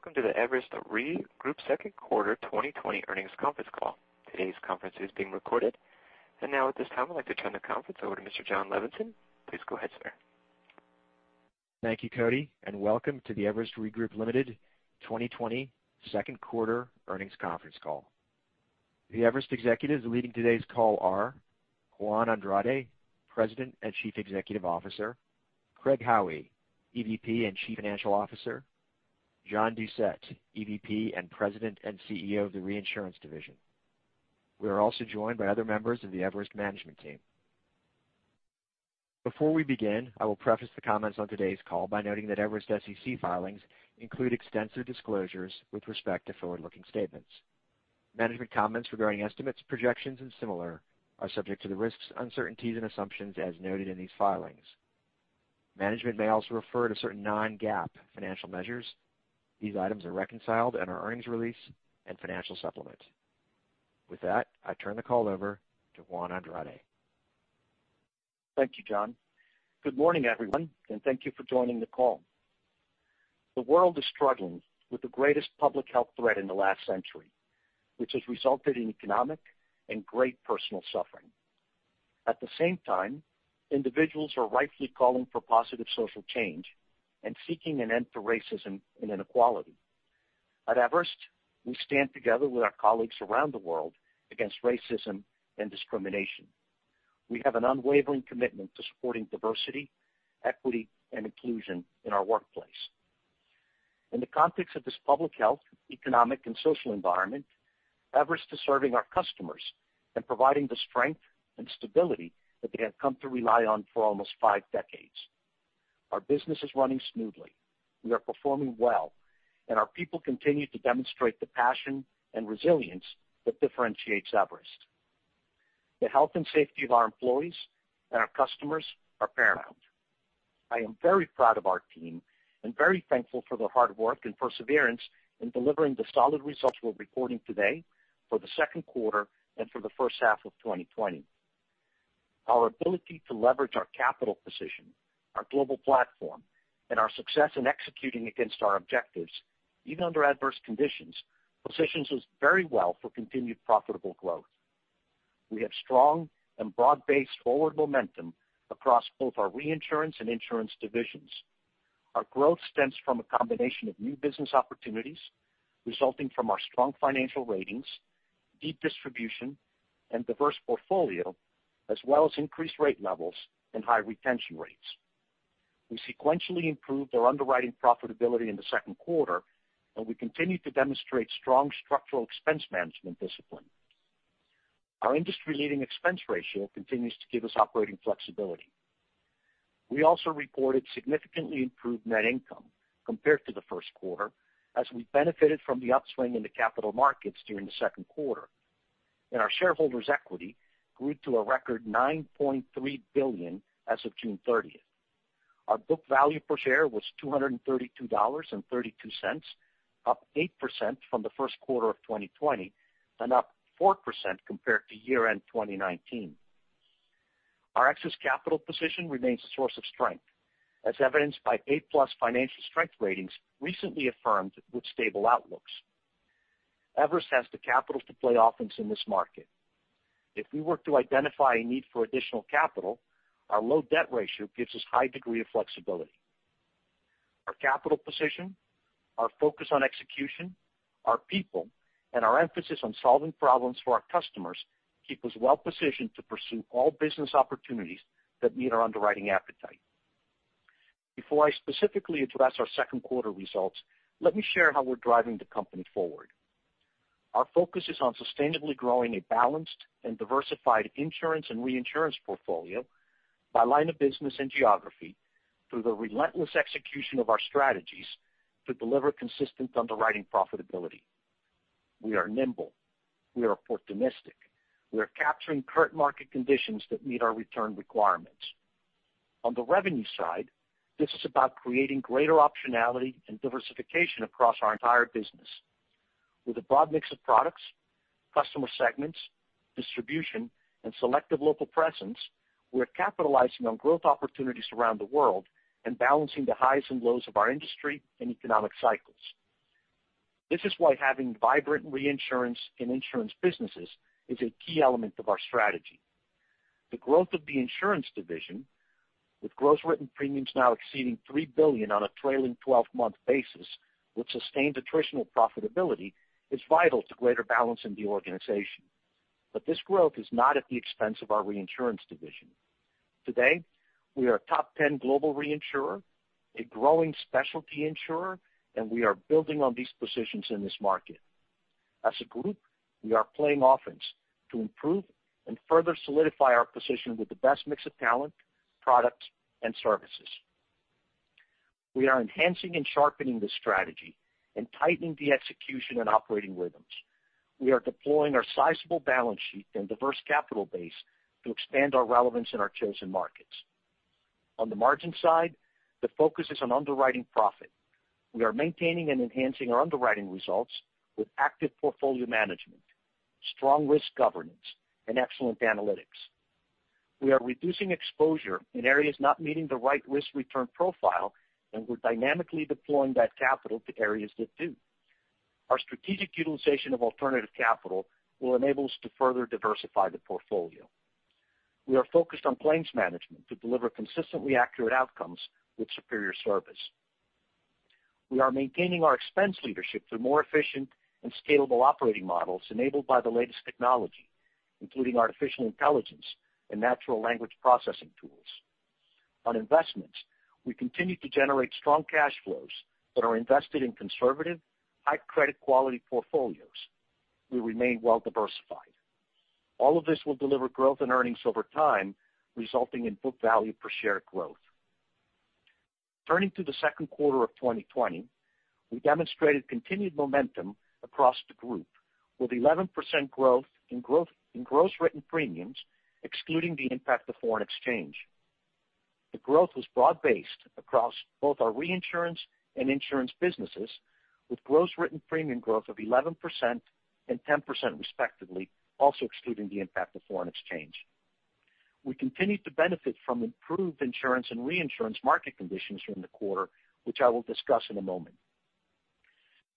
Good day, and welcome to the Everest Re Group second quarter 2020 earnings conference call. Today's conference is being recorded. Now at this time, I'd like to turn the conference over to Mr. Jon Levenson. Please go ahead, sir. Thank you, Cody, and welcome to the Everest Re Group Limited 2020 second quarter earnings conference call. The Everest executives leading today's call are Juan Andrade, President and Chief Executive Officer, Craig Howie, EVP and Chief Financial Officer, John Doucette, EVP and President and CEO of the Reinsurance Division. We are also joined by other members of the Everest management team. Before we begin, I will preface the comments on today's call by noting that Everest SEC filings include extensive disclosures with respect to forward-looking statements. Management comments regarding estimates, projections, and similar are subject to the risks, uncertainties, and assumptions as noted in these filings. Management may also refer to certain non-GAAP financial measures. These items are reconciled in our earnings release and financial supplement. With that, I turn the call over to Juan Andrade. Thank you, Jon. Good morning, everyone, and thank you for joining the call. The world is struggling with the greatest public health threat in the last century, which has resulted in economic and great personal suffering. At the same time, individuals are rightly calling for positive social change and seeking an end to racism and inequality. At Everest, we stand together with our colleagues around the world against racism and discrimination. We have an unwavering commitment to supporting diversity, equity, and inclusion in our workplace. In the context of this public health, economic, and social environment, Everest is serving our customers and providing the strength and stability that they have come to rely on for almost five decades. Our business is running smoothly. We are performing well, and our people continue to demonstrate the passion and resilience that differentiates Everest. The health and safety of our employees and our customers are paramount. I am very proud of our team and very thankful for their hard work and perseverance in delivering the solid results we're reporting today for the second quarter and for the first half of 2020. Our ability to leverage our capital position, our global platform, and our success in executing against our objectives, even under adverse conditions, positions us very well for continued profitable growth. We have strong and broad-based forward momentum across both our reinsurance and insurance divisions. Our growth stems from a combination of new business opportunities resulting from our strong financial ratings, deep distribution, and diverse portfolio, as well as increased rate levels and high retention rates. We sequentially improved our underwriting profitability in the second quarter, and we continue to demonstrate strong structural expense management discipline. Our industry-leading expense ratio continues to give us operating flexibility. We also reported significantly improved net income compared to the first quarter, as we benefited from the upswing in the capital markets during the second quarter. Our shareholders' equity grew to a record $9.3 billion as of June 30th. Our book value per share was $232.32, up 8% from the first quarter of 2020, and up 4% compared to year-end 2019. Our excess capital position remains a source of strength, as evidenced by A+ financial strength ratings recently affirmed with stable outlooks. Everest has the capital to play offense in this market. If we were to identify a need for additional capital, our low debt ratio gives us high degree of flexibility. Our capital position, our focus on execution, our people, and our emphasis on solving problems for our customers keep us well-positioned to pursue all business opportunities that meet our underwriting appetite. Before I specifically address our second quarter results, let me share how we're driving the company forward. Our focus is on sustainably growing a balanced and diversified insurance and reinsurance portfolio by line of business and geography through the relentless execution of our strategies to deliver consistent underwriting profitability. We are nimble. We are opportunistic. We are capturing current market conditions that meet our return requirements. On the revenue side, this is about creating greater optionality and diversification across our entire business. With a broad mix of products, customer segments, distribution, and selective local presence, we're capitalizing on growth opportunities around the world and balancing the highs and lows of our industry and economic cycles. This is why having vibrant reinsurance and insurance businesses is a key element of our strategy. The growth of the Insurance Division, with gross written premiums now exceeding $3 billion on a trailing 12-month basis with sustained attritional profitability, is vital to greater balance in the organization. This growth is not at the expense of our Reinsurance Division. Today, we are a top 10 global reinsurer, a growing specialty insurer, and we are building on these positions in this market. As a group, we are playing offense to improve and further solidify our position with the best mix of talent, products, and services. We are enhancing and sharpening this strategy and tightening the execution and operating rhythms. We are deploying our sizable balance sheet and diverse capital base to expand our relevance in our chosen markets. On the margin side, the focus is on underwriting profit. We are maintaining and enhancing our underwriting results with active portfolio management, strong risk governance, and excellent analytics. We are reducing exposure in areas not meeting the right risk-return profile, and we're dynamically deploying that capital to areas that do. Our strategic utilization of alternative capital will enable us to further diversify the portfolio. We are focused on claims management to deliver consistently accurate outcomes with superior service. We are maintaining our expense leadership through more efficient and scalable operating models enabled by the latest technology, including artificial intelligence and natural language processing tools. On investments, we continue to generate strong cash flows that are invested in conservative, high credit quality portfolios. We remain well-diversified. All of this will deliver growth and earnings over time, resulting in book value per share growth. Turning to the second quarter of 2020, we demonstrated continued momentum across the group with 11% growth in gross written premiums, excluding the impact of foreign exchange. The growth was broad-based across both our reinsurance and insurance businesses, with gross written premium growth of 11% and 10% respectively, also excluding the impact of foreign exchange. We continued to benefit from improved insurance and reinsurance market conditions during the quarter, which I will discuss in a moment.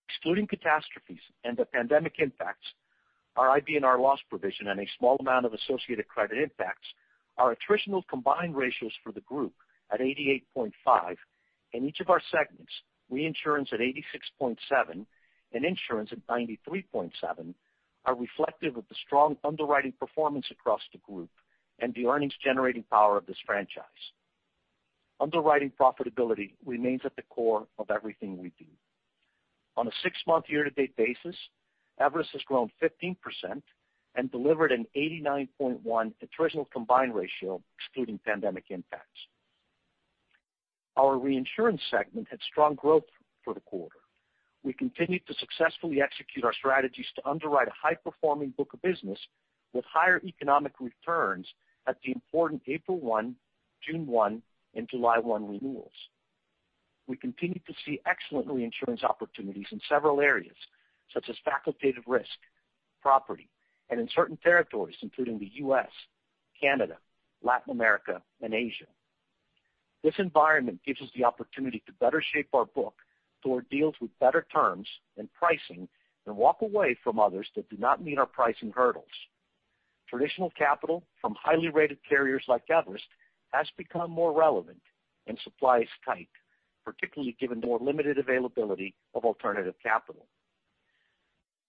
Excluding catastrophes and the pandemic impacts, our IBNR loss provision, and a small amount of associated credit impacts, our attritional combined ratios for the group at 88.5, and each of our segments, reinsurance at 86.7 and insurance at 93.7, are reflective of the strong underwriting performance across the group and the earnings-generating power of this franchise. Underwriting profitability remains at the core of everything we do. On a six-month year-to-date basis, Everest has grown 15% and delivered an 89.1 attritional combined ratio excluding pandemic impacts. Our reinsurance segment had strong growth for the quarter. We continued to successfully execute our strategies to underwrite a high-performing book of business with higher economic returns at the important April 1, June 1, and July 1 renewals. We continued to see excellent reinsurance opportunities in several areas, such as facultative risk, property, and in certain territories, including the U.S., Canada, Latin America, and Asia. This environment gives us the opportunity to better shape our book to award deals with better terms and pricing and walk away from others that do not meet our pricing hurdles. Traditional capital from highly rated carriers like Everest has become more relevant, and supply is tight, particularly given the more limited availability of alternative capital.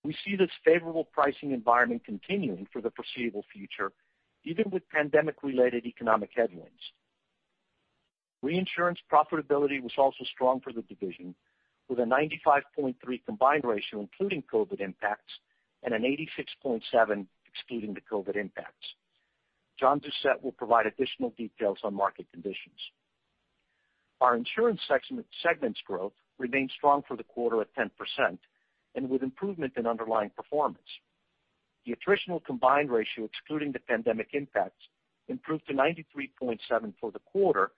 We see this favorable pricing environment continuing for the foreseeable future, even with pandemic-related economic headwinds. Reinsurance profitability was also strong for the division, with a 95.3 combined ratio including COVID impacts and an 86.7 excluding the COVID impacts. John Doucette will provide additional details on market conditions. Our insurance segment's growth remained strong for the quarter at 10% and with improvement in underlying performance. The attritional combined ratio excluding the pandemic impacts improved to 93.7 for the quarter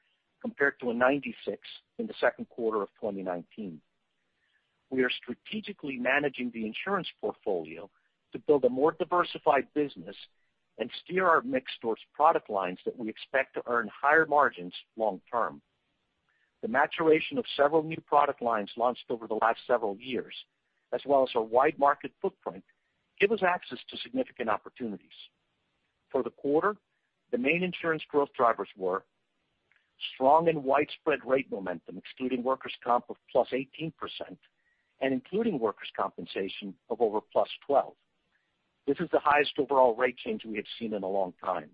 compared to a 96 in the second quarter of 2019. We are strategically managing the insurance portfolio to build a more diversified business and steer our mix towards product lines that we expect to earn higher margins long-term. The maturation of several new product lines launched over the last several years, as well as our wide market footprint, give us access to significant opportunities. For the quarter, the main insurance growth drivers were strong and widespread rate momentum, excluding workers' comp of +18% and including workers' compensation of over +12%. This is the highest overall rate change we have seen in a long time.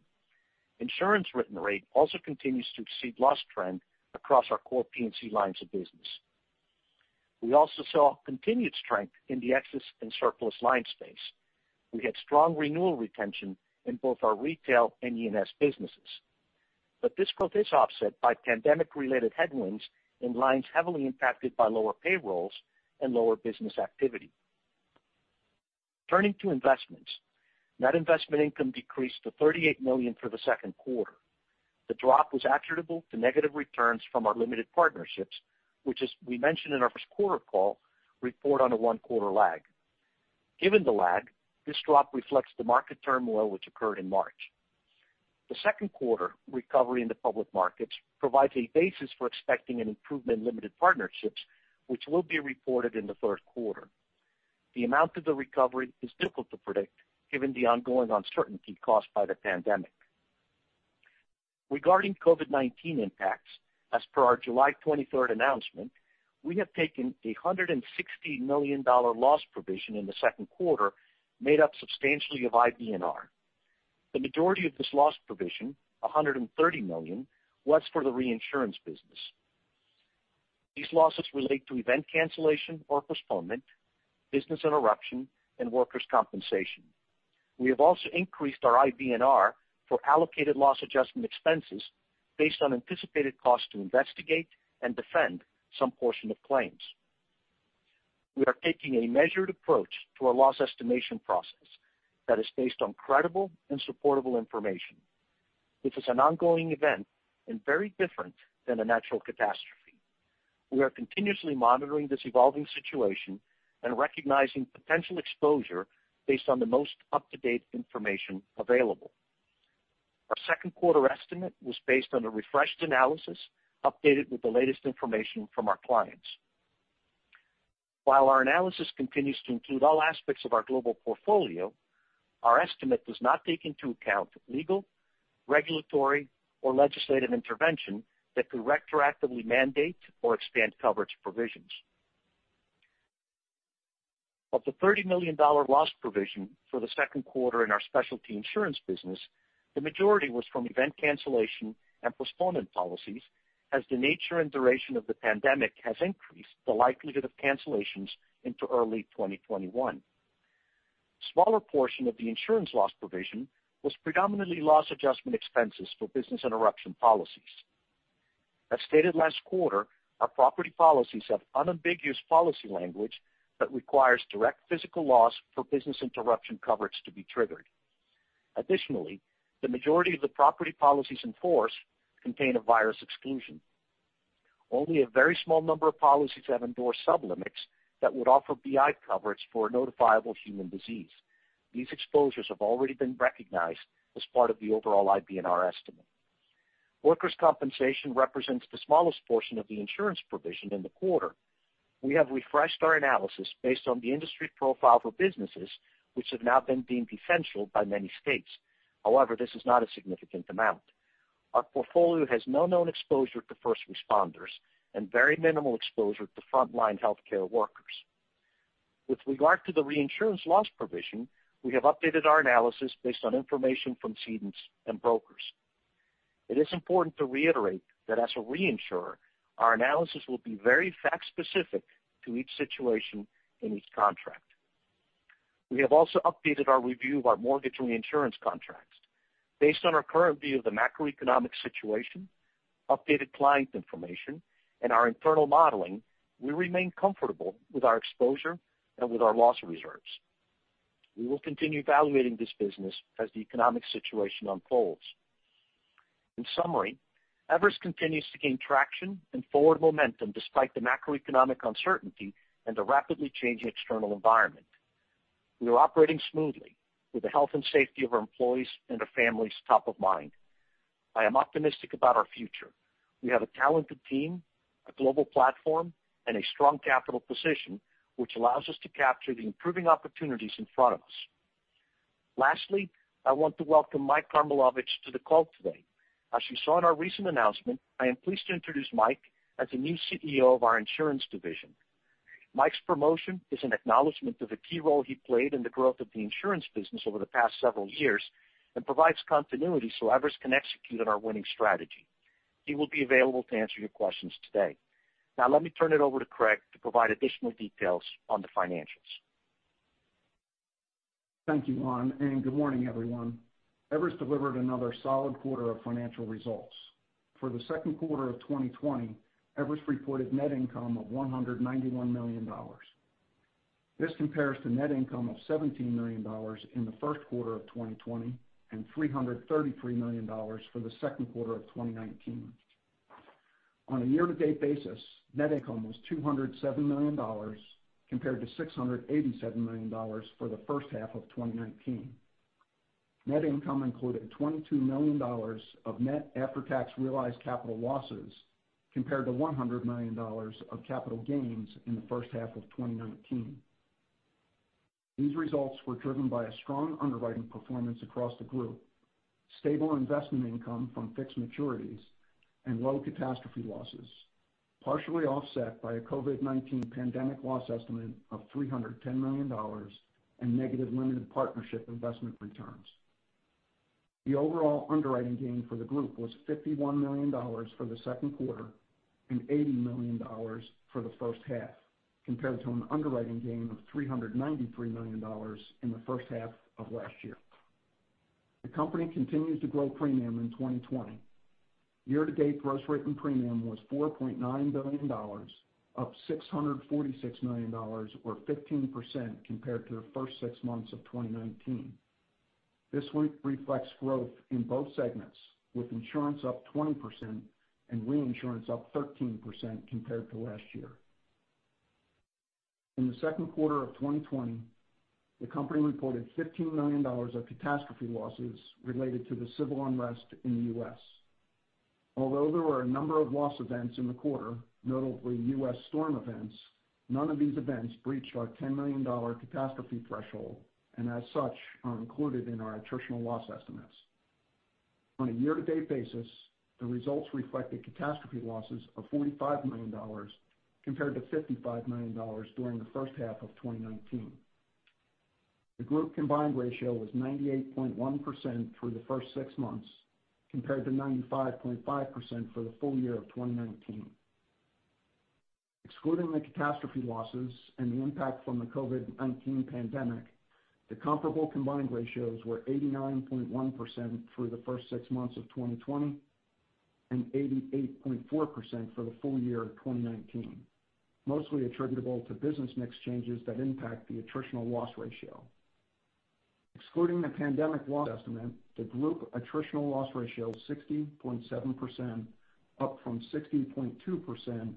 Insurance written rate also continues to exceed loss trend across our core P&C lines of business. We also saw continued strength in the excess and surplus line space. We had strong renewal retention in both our retail and E&S businesses. This growth is offset by pandemic-related headwinds in lines heavily impacted by lower payrolls and lower business activity. Turning to investments. Net investment income decreased to $38 million for the second quarter. The drop was attributable to negative returns from our limited partnerships, which, as we mentioned in our first quarter call, report on a one-quarter lag. Given the lag, this drop reflects the market turmoil which occurred in March. The second quarter recovery in the public markets provides a basis for expecting an improvement in limited partnerships, which will be reported in the third quarter. The amount of the recovery is difficult to predict given the ongoing uncertainty caused by the pandemic. Regarding COVID-19 impacts, as per our July 23rd announcement, we have taken a $160 million loss provision in the second quarter, made up substantially of IBNR. The majority of this loss provision, $130 million, was for the reinsurance business. These losses relate to event cancellation or postponement, business interruption, and workers' compensation. We have also increased our IBNR for allocated loss adjustment expenses based on anticipated costs to investigate and defend some portion of claims. We are taking a measured approach to our loss estimation process that is based on credible and supportable information. This is an ongoing event and very different than a natural catastrophe. We are continuously monitoring this evolving situation and recognizing potential exposure based on the most up-to-date information available. Our second quarter estimate was based on a refreshed analysis updated with the latest information from our clients. While our analysis continues to include all aspects of our global portfolio, our estimate does not take into account legal, regulatory or legislative intervention that could retroactively mandate or expand coverage provisions. Of the $30 million loss provision for the second quarter in our specialty insurance business, the majority was from event cancellation and postponement policies, as the nature and duration of the pandemic has increased the likelihood of cancellations into early 2021. Smaller portion of the insurance loss provision was predominantly loss adjustment expenses for business interruption policies. As stated last quarter, our property policies have unambiguous policy language that requires direct physical loss for business interruption coverage to be triggered. Additionally, the majority of the property policies in force contain a virus exclusion. Only a very small number of policies have endorsed sub-limits that would offer BI coverage for a notifiable human disease. These exposures have already been recognized as part of the overall IBNR estimate. Workers' compensation represents the smallest portion of the insurance provision in the quarter. We have refreshed our analysis based on the industry profile for businesses which have now been deemed essential by many states. However, this is not a significant amount. Our portfolio has no known exposure to first responders and very minimal exposure to frontline healthcare workers. With regard to the reinsurance loss provision, we have updated our analysis based on information from cedents and brokers. It is important to reiterate that as a reinsurer, our analysis will be very fact-specific to each situation in each contract. We have also updated our review of our mortgage reinsurance contracts. Based on our current view of the macroeconomic situation, updated client information, and our internal modeling, we remain comfortable with our exposure and with our loss reserves. We will continue evaluating this business as the economic situation unfolds. In summary, Everest continues to gain traction and forward momentum despite the macroeconomic uncertainty and the rapidly changing external environment. We are operating smoothly with the health and safety of our employees and their families top of mind. I am optimistic about our future. We have a talented team, a global platform, and a strong capital position, which allows us to capture the improving opportunities in front of us. Lastly, I want to welcome Mike Karmilowicz to the call today. As you saw in our recent announcement, I am pleased to introduce Mike as the new CEO of our Insurance Division. Mike's promotion is an acknowledgment of the key role he played in the growth of the insurance business over the past several years and provides continuity so Everest can execute on our winning strategy. He will be available to answer your questions today. Now let me turn it over to Craig to provide additional details on the financials. Thank you, Juan, and good morning, everyone. Everest delivered another solid quarter of financial results. For the second quarter of 2020, Everest reported net income of $191 million. This compares to net income of $17 million in the first quarter of 2020 and $333 million for the second quarter of 2019. On a year-to-date basis, net income was $207 million compared to $687 million for the first half of 2019. Net income included $22 million of net after-tax realized capital losses, compared to $100 million of capital gains in the first half of 2019. These results were driven by a strong underwriting performance across the group, stable investment income from fixed maturities, and low catastrophe losses, partially offset by a COVID-19 pandemic loss estimate of $310 million and negative limited partnership investment returns. The overall underwriting gain for the group was $51 million for the second quarter and $80 million for the first half, compared to an underwriting gain of $393 million in the first half of last year. The company continues to grow premium in 2020. Year-to-date gross written premium was $4.9 billion, up $646 million or 15% compared to the first six months of 2019. This reflects growth in both segments, with insurance up 20% and reinsurance up 13% compared to last year. In the second quarter of 2020, the company reported $15 million of catastrophe losses related to the civil unrest in the U.S. Although there were a number of loss events in the quarter, notably U.S. storm events, none of these events breached our $10 million catastrophe threshold, and as such, are included in our attritional loss estimates. On a year-to-date basis, the results reflected catastrophe losses of $45 million compared to $55 million during the first half of 2019. The group combined ratio was 98.1% for the first six months compared to 95.5% for the full year of 2019. Excluding the catastrophe losses and the impact from the COVID-19 pandemic, the comparable combined ratios were 89.1% for the first six months of 2020 and 88.4% for the full year of 2019, mostly attributable to business mix changes that impact the attritional loss ratio. Excluding the pandemic loss estimate, the group attritional loss ratio of 60.7%, up from 60.2%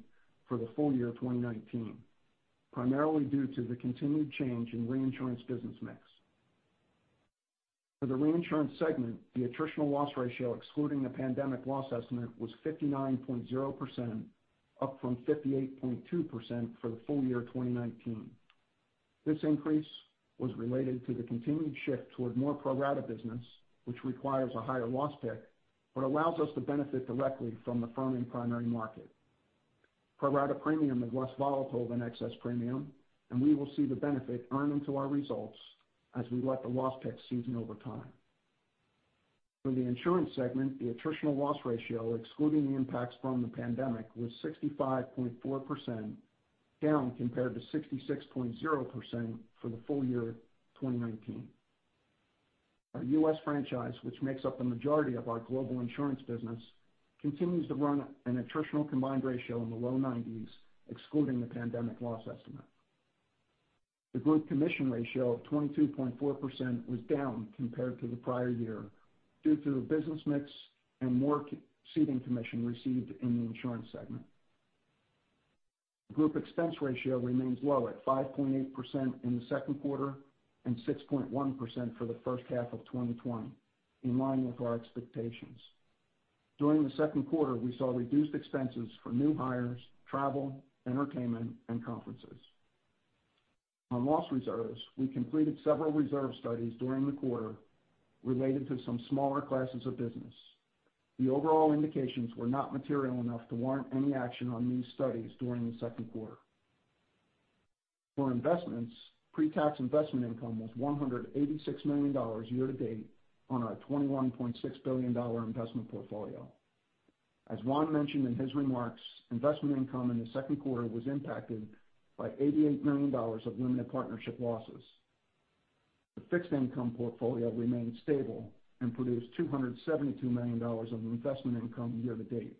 for the full year 2019, primarily due to the continued change in reinsurance business mix. For the reinsurance segment, the attritional loss ratio, excluding the pandemic loss estimate, was 59.0%, up from 58.2% for the full year 2019. This increase was related to the continued shift toward more pro-rata business, which requires a higher loss pick, but allows us to benefit directly from the firming primary market. Pro-rata premium is less volatile than excess premium, and we will see the benefit earn into our results as we let the loss pick season over time. For the insurance segment, the attritional loss ratio, excluding the impacts from the pandemic, was 65.4%, down compared to 66.0% for the full year 2019. Our U.S. franchise, which makes up the majority of our global insurance business, continues to run an attritional combined ratio in the low 90s, excluding the pandemic loss estimate. The group commission ratio of 22.4% was down compared to the prior year due to the business mix and more ceding commission received in the insurance segment. Group expense ratio remains low at 5.8% in the second quarter and 6.1% for the first half of 2020, in line with our expectations. During the second quarter, we saw reduced expenses for new hires, travel, entertainment, and conferences. On loss reserves, we completed several reserve studies during the quarter related to some smaller classes of business. The overall indications were not material enough to warrant any action on these studies during the second quarter. For investments, pre-tax investment income was $186 million year to date on our $21.6 billion investment portfolio. As Juan mentioned in his remarks, investment income in the second quarter was impacted by $88 million of limited partnership losses. The fixed income portfolio remained stable and produced $272 million of investment income year to date,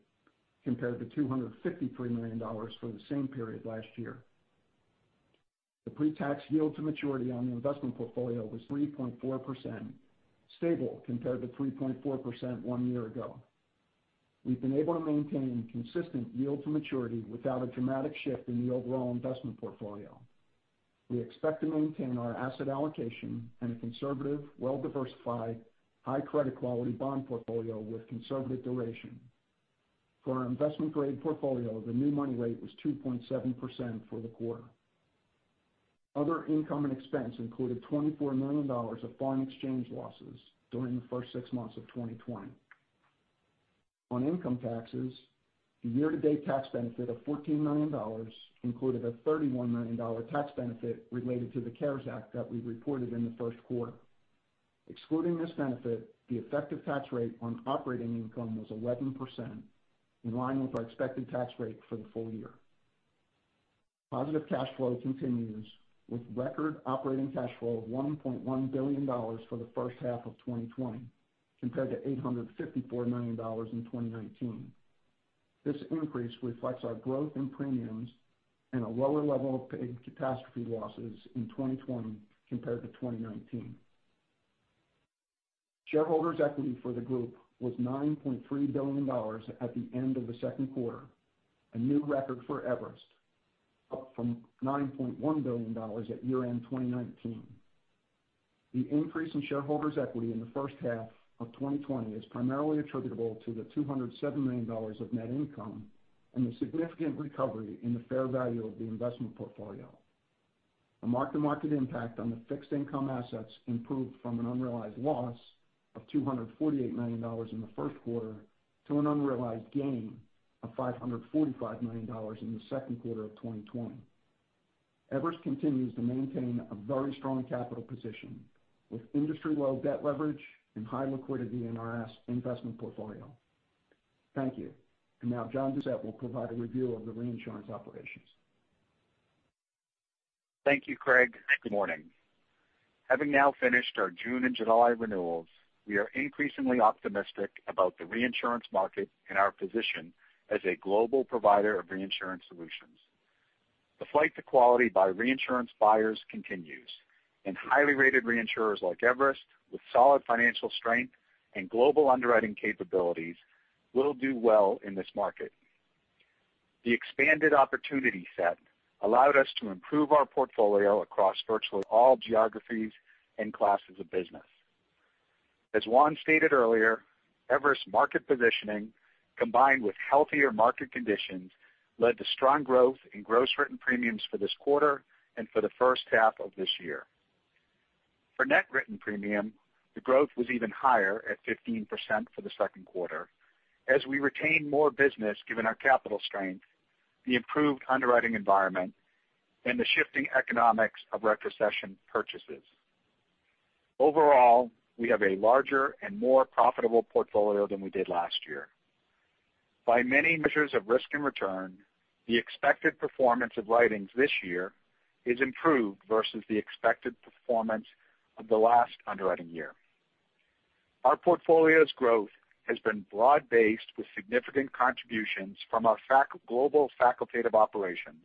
compared to $253 million for the same period last year. The pre-tax yield to maturity on the investment portfolio was 3.4%, stable compared to 3.4% one year ago. We've been able to maintain consistent yield to maturity without a dramatic shift in the overall investment portfolio. We expect to maintain our asset allocation in a conservative, well-diversified, high credit quality bond portfolio with conservative duration. For our investment-grade portfolio, the new money rate was 2.7% for the quarter. Other income and expense included $24 million of foreign exchange losses during the first six months of 2020. On income taxes, the year-to-date tax benefit of $14 million included a $31 million tax benefit related to the CARES Act that we reported in the first quarter. Excluding this benefit, the effective tax rate on operating income was 11%, in line with our expected tax rate for the full year. Positive cash flow continues, with record operating cash flow of $1.1 billion for the first half of 2020, compared to $854 million in 2019. This increase reflects our growth in premiums and a lower level of paid catastrophe losses in 2020 compared to 2019. Shareholders' equity for the group was $9.3 billion at the end of the second quarter, a new record for Everest, up from $9.1 billion at year-end 2019. The increase in shareholders' equity in the first half of 2020 is primarily attributable to the $207 million of net income and the significant recovery in the fair value of the investment portfolio. A mark-to-market impact on the fixed income assets improved from an unrealized loss of $248 million in the first quarter to an unrealized gain of $545 million in the second quarter of 2020. Everest continues to maintain a very strong capital position, with industry-low debt leverage and high liquidity in our investment portfolio. Thank you. Now John Doucette will provide a review of the reinsurance operations. Thank you, Craig, and good morning. Having now finished our June and July renewals, we are increasingly optimistic about the reinsurance market and our position as a global provider of reinsurance solutions. The flight to quality by reinsurance buyers continues, and highly rated reinsurers like Everest with solid financial strength and global underwriting capabilities will do well in this market. The expanded opportunity set allowed us to improve our portfolio across virtually all geographies and classes of business. As Juan stated earlier, Everest market positioning, combined with healthier market conditions, led to strong growth in gross written premiums for this quarter and for the first half of this year. For net written premium, the growth was even higher at 15% for the second quarter, as we retained more business given our capital strength, the improved underwriting environment, and the shifting economics of retrocession purchases. Overall, we have a larger and more profitable portfolio than we did last year. By many measures of risk and return, the expected performance of writings this year is improved versus the expected performance of the last underwriting year. Our portfolio's growth has been broad-based with significant contributions from our global facultative operations,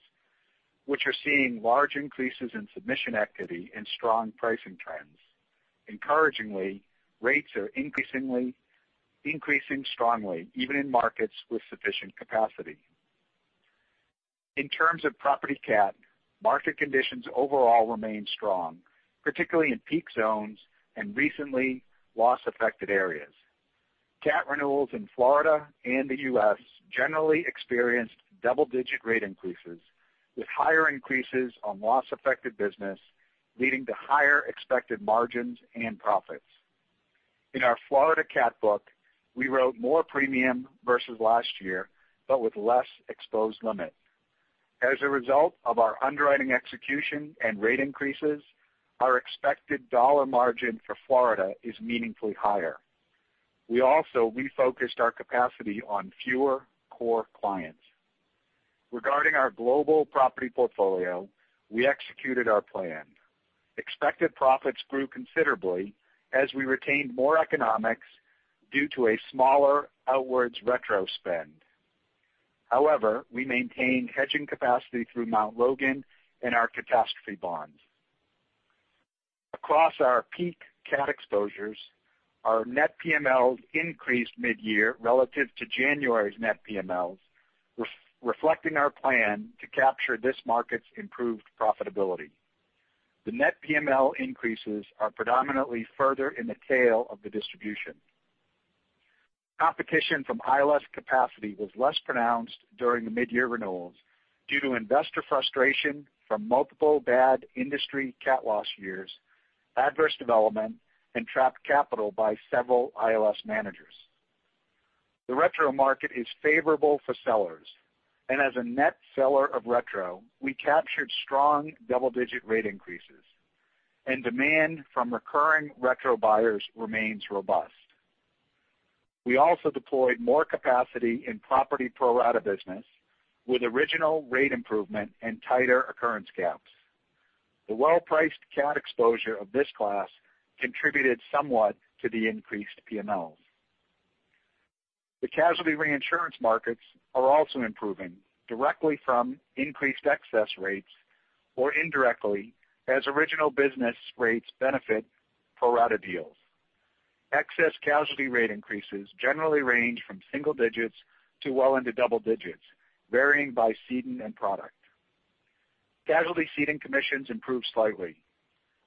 which are seeing large increases in submission activity and strong pricing trends. Encouragingly, rates are increasing strongly, even in markets with sufficient capacity. In terms of property cat, market conditions overall remain strong, particularly in peak zones and recently loss-affected areas. Cat renewals in Florida and the U.S. generally experienced double-digit rate increases, with higher increases on loss-affected business, leading to higher expected margins and profits. In our Florida cat book, we wrote more premium versus last year, but with less exposed limit. As a result of our underwriting execution and rate increases, our expected dollar margin for Florida is meaningfully higher. We also refocused our capacity on fewer core clients. Regarding our global property portfolio, we executed our plan. Expected profits grew considerably as we retained more economics due to a smaller outwards retro spend. However, we maintained hedging capacity through Mt. Logan and our catastrophe bonds. Across our peak cat exposures, our net PMLs increased mid-year relative to January's net PMLs, reflecting our plan to capture this market's improved profitability. The net PML increases are predominantly further in the tail of the distribution. Competition from ILS capacity was less pronounced during the mid-year renewals due to investor frustration from multiple bad industry cat loss years, adverse development, and trapped capital by several ILS managers. The retro market is favorable for sellers, and as a net seller of retro, we captured strong double-digit rate increases, and demand from recurring retro buyers remains robust. We also deployed more capacity in property pro-rata business with original rate improvement and tighter occurrence gaps. The well-priced cat exposure of this class contributed somewhat to the increased PMLs. The casualty reinsurance markets are also improving directly from increased excess rates or indirectly as original business rates benefit pro-rata deals. Excess casualty rate increases generally range from single digits to well into double digits, varying by ceding and product. Casualty ceding commissions improved slightly.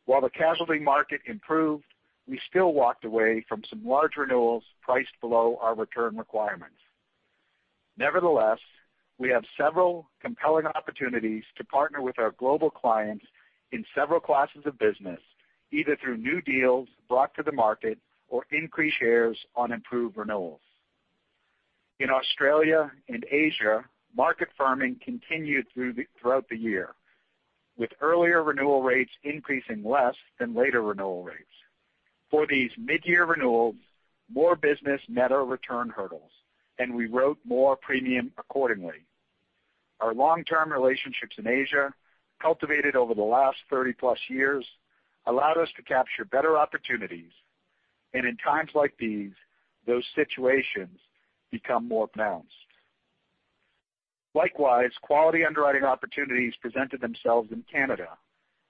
While the casualty market improved, we still walked away from some large renewals priced below our return requirements. Nevertheless, we have several compelling opportunities to partner with our global clients in several classes of business, either through new deals brought to the market or increased shares on improved renewals. In Australia and Asia, market firming continued throughout the year, with earlier renewal rates increasing less than later renewal rates. For these mid-year renewals, more business met our return hurdles, and we wrote more premium accordingly. Our long-term relationships in Asia, cultivated over the last 30+ years, allowed us to capture better opportunities. In times like these, those situations become more pronounced. Likewise, quality underwriting opportunities presented themselves in Canada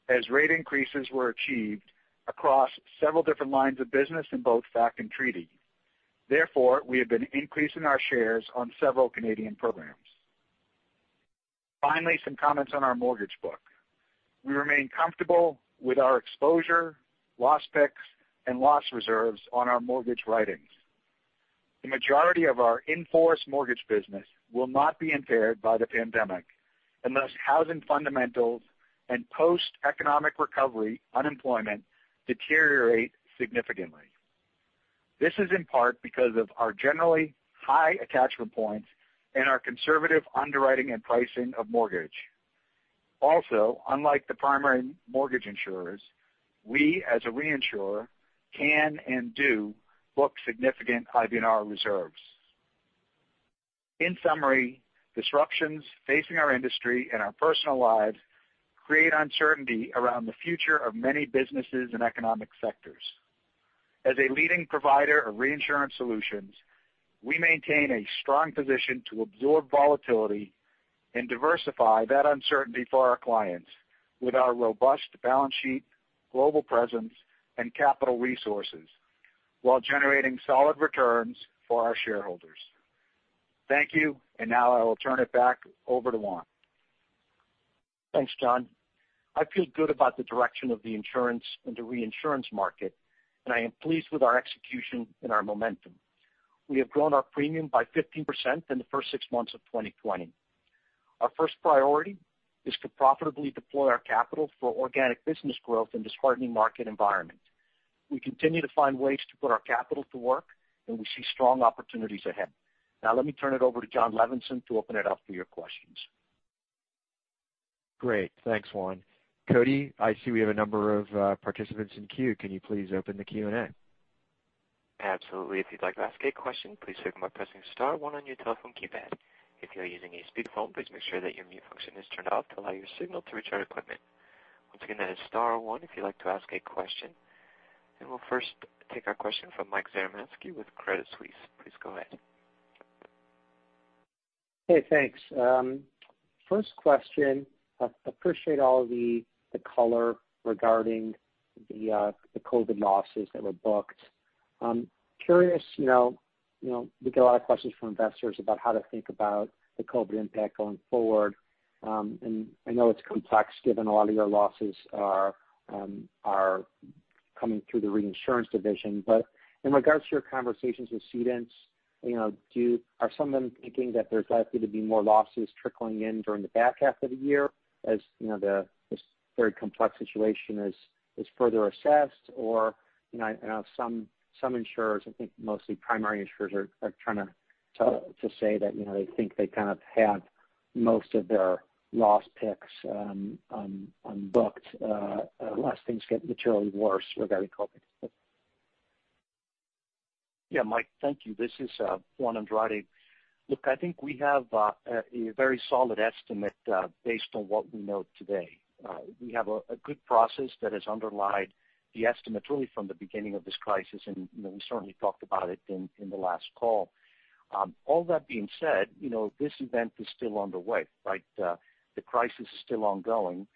as rate increases were achieved across several different lines of business in both fac and treaty. Therefore, we have been increasing our shares on several Canadian programs. Finally, some comments on our mortgage book. We remain comfortable with our exposure, loss picks, and loss reserves on our mortgage writings. The majority of our in-force mortgage business will not be impaired by the pandemic unless housing fundamentals and post-economic recovery unemployment deteriorate significantly. This is in part because of our generally high attachment points and our conservative underwriting and pricing of mortgage. Also, unlike the primary mortgage insurers, we, as a reinsurer, can and do book significant IBNR reserves. In summary, disruptions facing our industry and our personal lives create uncertainty around the future of many businesses and economic sectors. As a leading provider of reinsurance solutions, we maintain a strong position to absorb volatility and diversify that uncertainty for our clients with our robust balance sheet, global presence, and capital resources while generating solid returns for our shareholders. Thank you. Now I will turn it back over to Juan. Thanks, John. I feel good about the direction of the insurance and the reinsurance market, and I am pleased with our execution and our momentum. We have grown our premium by 15% in the first six months of 2020. Our first priority is to profitably deploy our capital for organic business growth in this hardening market environment. We continue to find ways to put our capital to work, and we see strong opportunities ahead. Now, let me turn it over to Jon Levenson to open it up for your questions. Great. Thanks, Juan. Cody, I see we have a number of participants in queue. Can you please open the Q&A? Absolutely. If you'd like to ask a question, please signal by pressing star one on your telephone keypad. If you are using a speakerphone, please make sure that your mute function is turned off to allow your signal to reach our equipment. Once again, that is star one if you'd like to ask a question. We'll first take our question from Mike Zaremski with Credit Suisse. Please go ahead. Hey, thanks. First question, I appreciate all the color regarding the COVID losses that were booked. Curious, we get a lot of questions from investors about how to think about the COVID impact going forward. I know it's complex given a lot of your losses are coming through the Reinsurance Division. In regards to your conversations with cedents, are some of them thinking that there's likely to be more losses trickling in during the back half of the year as this very complex situation is further assessed? I know some insurers, I think mostly primary insurers, are trying to say that they think they kind of have most of their loss picks on books unless things get materially worse regarding COVID. Mike, thank you. This is Juan Andrade. Look, I think we have a very solid estimate based on what we know today. We have a good process that has underlied the estimate really from the beginning of this crisis, and we certainly talked about it in the last call. All that being said, this event is still underway. The crisis is still ongoing,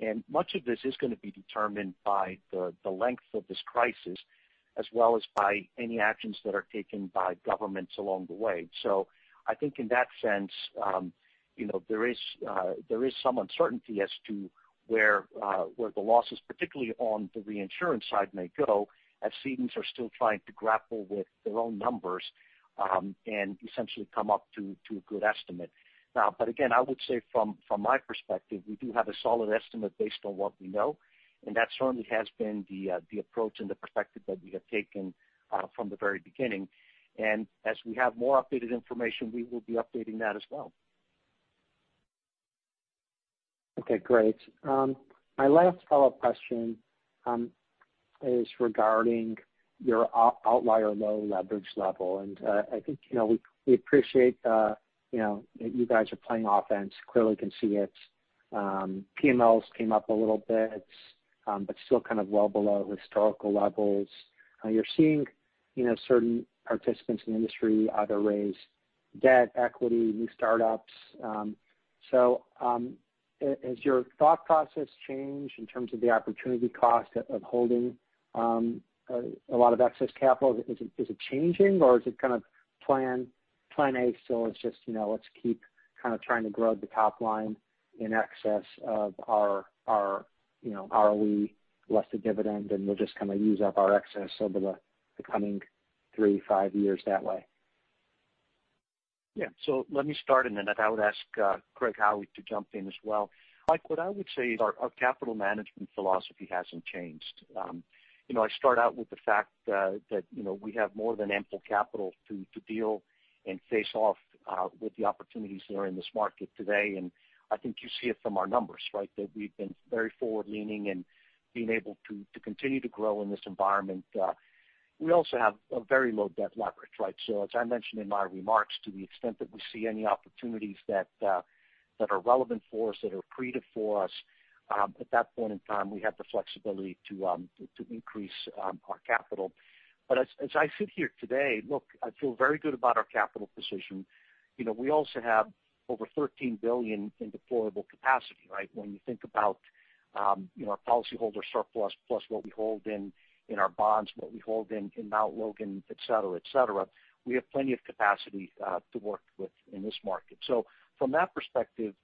and much of this is going to be determined by the length of this crisis as well as by any actions that are taken by governments along the way. I think in that sense, there is some uncertainty as to where the losses, particularly on the reinsurance side, may go as cedents are still trying to grapple with their own numbers, and essentially come up to a good estimate. Now, again, I would say from my perspective, we do have a solid estimate based on what we know, and that certainly has been the approach and the perspective that we have taken from the very beginning. As we have more updated information, we will be updating that as well. Okay, great. My last follow-up question is regarding your outlier low leverage level. I think we appreciate that you guys are playing offense. Clearly can see it. PMLs came up a little bit, but still kind of well below historical levels. You're seeing certain participants in the industry either raise debt, equity, new start-ups. Has your thought process changed in terms of the opportunity cost of holding a lot of excess capital? Is it changing or is it kind of plan A, still it's just let's keep trying to grow the top line in excess of our ROE less the dividend, and we'll just use up our excess over the coming three, five years that way? Let me start, and then I would ask Craig Howie to jump in as well. Mike, what I would say is our capital management philosophy hasn't changed. I start out with the fact that we have more than ample capital to deal and face off with the opportunities that are in this market today, and I think you see it from our numbers, right? That we've been very forward-leaning in being able to continue to grow in this environment. We also have a very low debt leverage, right? As I mentioned in my remarks, to the extent that we see any opportunities that are relevant for us, that are accretive for us, at that point in time, we have the flexibility to increase our capital. As I sit here today, look, I feel very good about our capital position. We also have over $13 billion in deployable capacity, right? When you think about our policyholder surplus, plus what we hold in our bonds, what we hold in Mt. Logan, et cetera. We have plenty of capacity to work with in this market. From that perspective,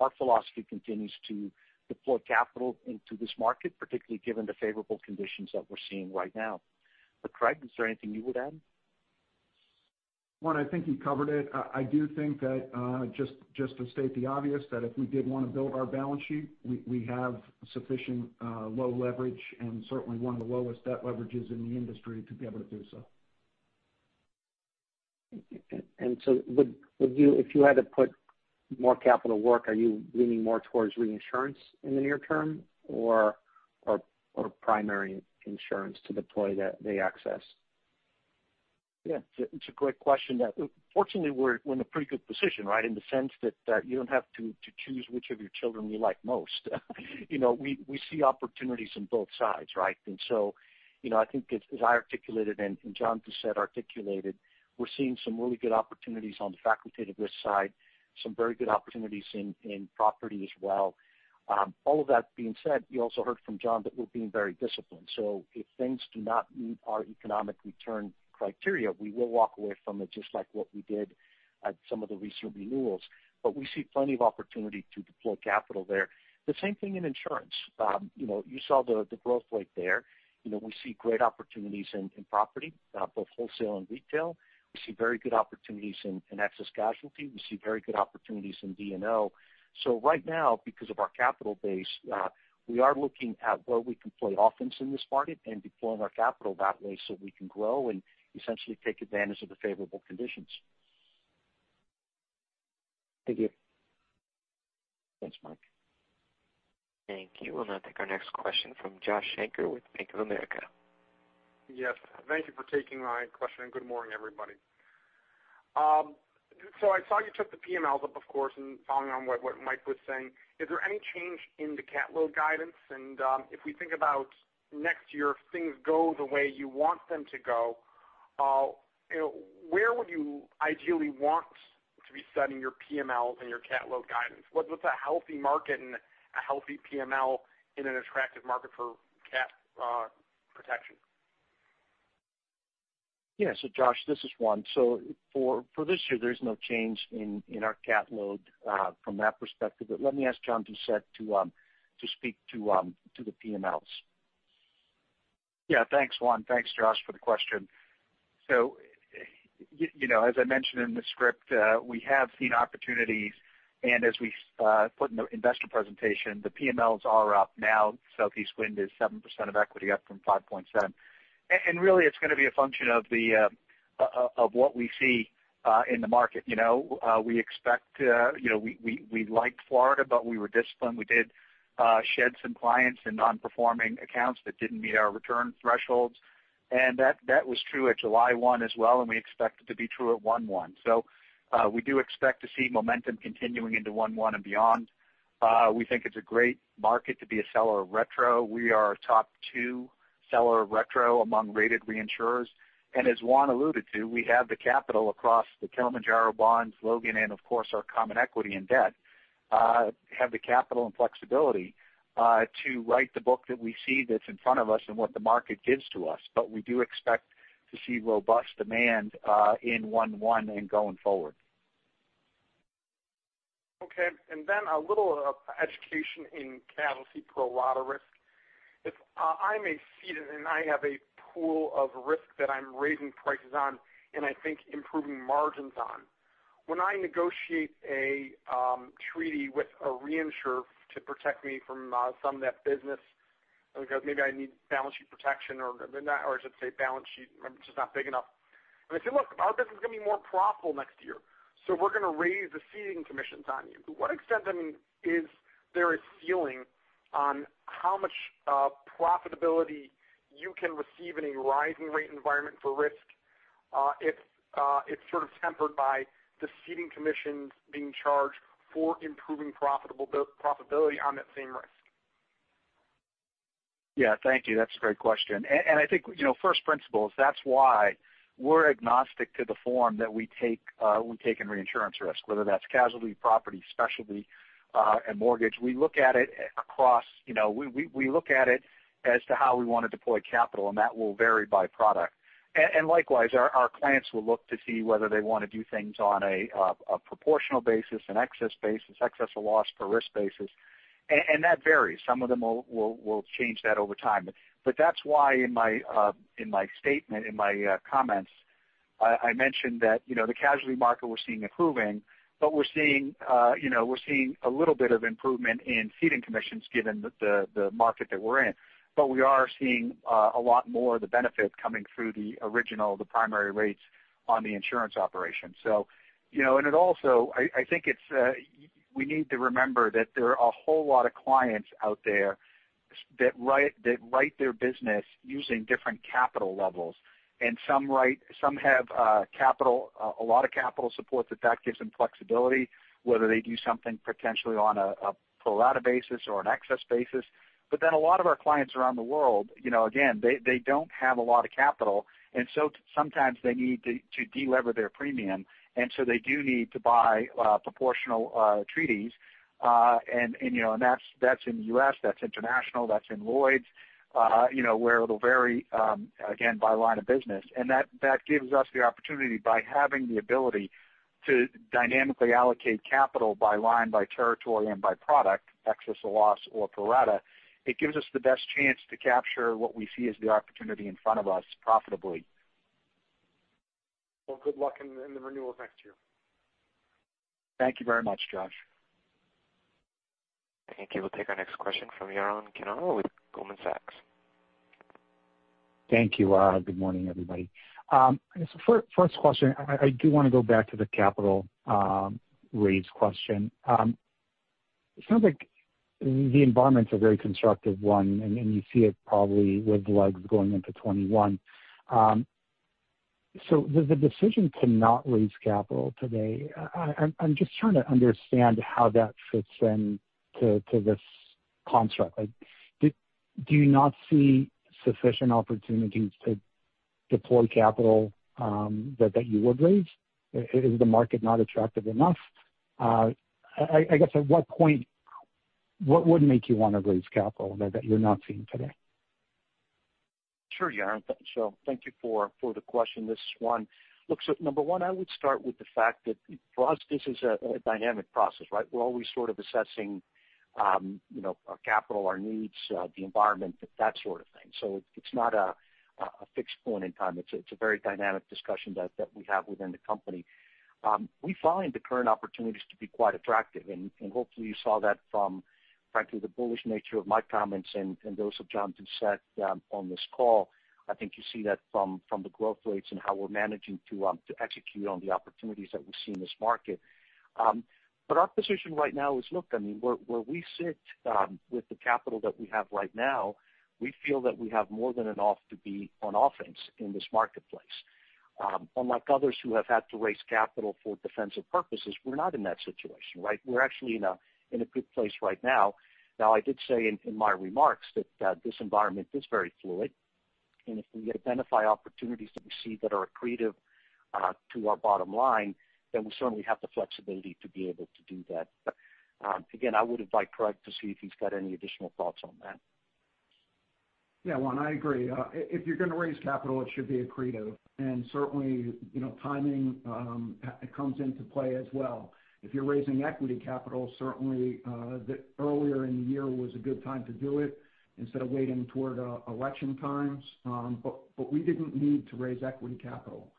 our philosophy continues to deploy capital into this market, particularly given the favorable conditions that we're seeing right now. Craig, is there anything you would add? Juan, I think you covered it. I do think that, just to state the obvious, that if we did want to build our balance sheet, we have sufficient low leverage and certainly one of the lowest debt leverages in the industry to be able to do so. If you had to put more capital to work, are you leaning more towards reinsurance in the near-term or primary insurance to deploy the excess? Yeah. It's a great question. Fortunately, we're in a pretty good position, right? In the sense that you don't have to choose which of your children you like most. We see opportunities on both sides, right? I think as I articulated and John Doucette articulated, we're seeing some really good opportunities on the facultative risk side, some very good opportunities in property as well. All of that being said, you also heard from John that we're being very disciplined. If things do not meet our economic return criteria, we will walk away from it just like what we did at some of the recent renewals. We see plenty of opportunity to deploy capital there. The same thing in insurance. You saw the growth rate there. We see great opportunities in property, both wholesale and retail. We see very good opportunities in excess casualty. We see very good opportunities in D&O. Right now, because of our capital base, we are looking at where we can play offense in this market and deploying our capital that way so we can grow and essentially take advantage of the favorable conditions. Thank you. Thanks, Mike. Thank you. We'll now take our next question from Josh Shanker with Bank of America. Yes. Thank you for taking my question, and good morning, everybody. So I saw you took the PMLs up, of course, and following on what Mike was saying, is there any change in the cat load guidance? If we think about next year, if things go the way you want them to go, where would you ideally want to be setting your PMLs and your cat load guidance? What's a healthy market and a healthy PML in an attractive market for cat protection? Yeah. Josh, this is Juan. For this year, there's no change in our cat load from that perspective. Let me ask John Doucette to speak to the PMLs. Yeah. Thanks, Juan. Thanks, Josh, for the question. As I mentioned in the script, we have seen opportunities, and as we put in the investor presentation, the PMLs are up now. Southeast Wind is 7% of equity up from 5.7%. Really, it's going to be a function of what we see in the market. We like Florida, but we were disciplined. We did shed some clients in non-performing accounts that didn't meet our return thresholds. That was true at July 1 as well, and we expect it to be true at 1/1. We do expect to see momentum continuing into 1/1 and beyond. We think it's a great market to be a seller of retro. We are a top two seller of retro among rated reinsurers. As Juan alluded to, we have the capital across the Kilimanjaro bonds, Logan, and of course, our common equity and debt, have the capital and flexibility to write the book that we see that's in front of us and what the market gives to us. We do expect to see robust demand in 1/1 and going forward. Okay. A little education in casualty pro rata risk. If I'm a ceding and I have a pool of risk that I'm raising prices on and I think improving margins on, when I negotiate a treaty with a reinsurer to protect me from some of that business, because maybe I need balance sheet protection or should say balance sheet, just not big enough. I say, "Look, our business is going to be more profitable next year, so we're going to raise the ceding commissions on you." To what extent, is there a ceiling on how much profitability you can receive in a rising rate environment for risk? It's sort of tempered by the ceding commissions being charged for improving profitability on that same risk. Yeah. Thank you. That's a great question. I think first principles, that's why we're agnostic to the form that we take in reinsurance risk, whether that's casualty, property, specialty, and mortgage. We look at it as to how we want to deploy capital, and that will vary by product. Likewise, our clients will look to see whether they want to do things on a proportional basis, an excess basis, excess of loss per risk basis. That varies. Some of them will change that over time. That's why in my statement, in my comments, I mentioned that the casualty market we're seeing improving, but we're seeing a little bit of improvement in ceding commissions given the market that we're in. We are seeing a lot more of the benefit coming through the original, the primary rates on the insurance operation. I think we need to remember that there are a whole lot of clients out there that write their business using different capital levels, and some have a lot of capital support that that gives them flexibility, whether they do something potentially on a pro rata basis or an excess basis. A lot of our clients around the world, again, they don't have a lot of capital, and so sometimes they need to de-lever their premium, and so they do need to buy proportional treaties. That's in the U.S., that's international, that's in Lloyd's, where it'll vary, again, by line of business. That gives us the opportunity by having the ability to dynamically allocate capital by line, by territory, and by product, excess of loss or pro rata. It gives us the best chance to capture what we see as the opportunity in front of us profitably. Well, good luck in the renewals next year. Thank you very much, Josh. Thank you. We'll take our next question from Yaron Kinar with Goldman Sachs. Thank you. Good morning, everybody. First question, I do want to go back to the capital raise question. It sounds like the environment's a very constructive one, and you see it probably with Logan going into 2021. The decision to not raise capital today, I'm just trying to understand how that fits in to this construct. Do you not see sufficient opportunities to deploy capital that you would raise? Is the market not attractive enough? I guess, at what point, what would make you want to raise capital that you're not seeing today? Sure, Yaron. Thank you for the question. This is Juan. Look, number one, I would start with the fact that for us, this is a dynamic process, right? We're always sort of assessing our capital, our needs, the environment, that sort of thing. It's not a fixed point in time. It's a very dynamic discussion that we have within the company. We find the current opportunities to be quite attractive, and hopefully you saw that from, frankly, the bullish nature of my comments and those of John Doucette on this call. I think you see that from the growth rates and how we're managing to execute on the opportunities that we see in this market. Our position right now is, look, I mean, where we sit with the capital that we have right now, we feel that we have more than enough to be on offense in this marketplace. Unlike others who have had to raise capital for defensive purposes, we're not in that situation. We're actually in a good place right now. I did say in my remarks that this environment is very fluid, and if we identify opportunities that we see that are accretive to our bottom line, then we certainly have the flexibility to be able to do that. Again, I would invite Craig to see if he's got any additional thoughts on that. Yeah. Juan, I agree. If you're going to raise capital, it should be accretive. Certainly, timing comes into play as well. If you're raising equity capital, certainly, earlier in the year was a good time to do it instead of waiting toward election times. We didn't need to raise equity capital.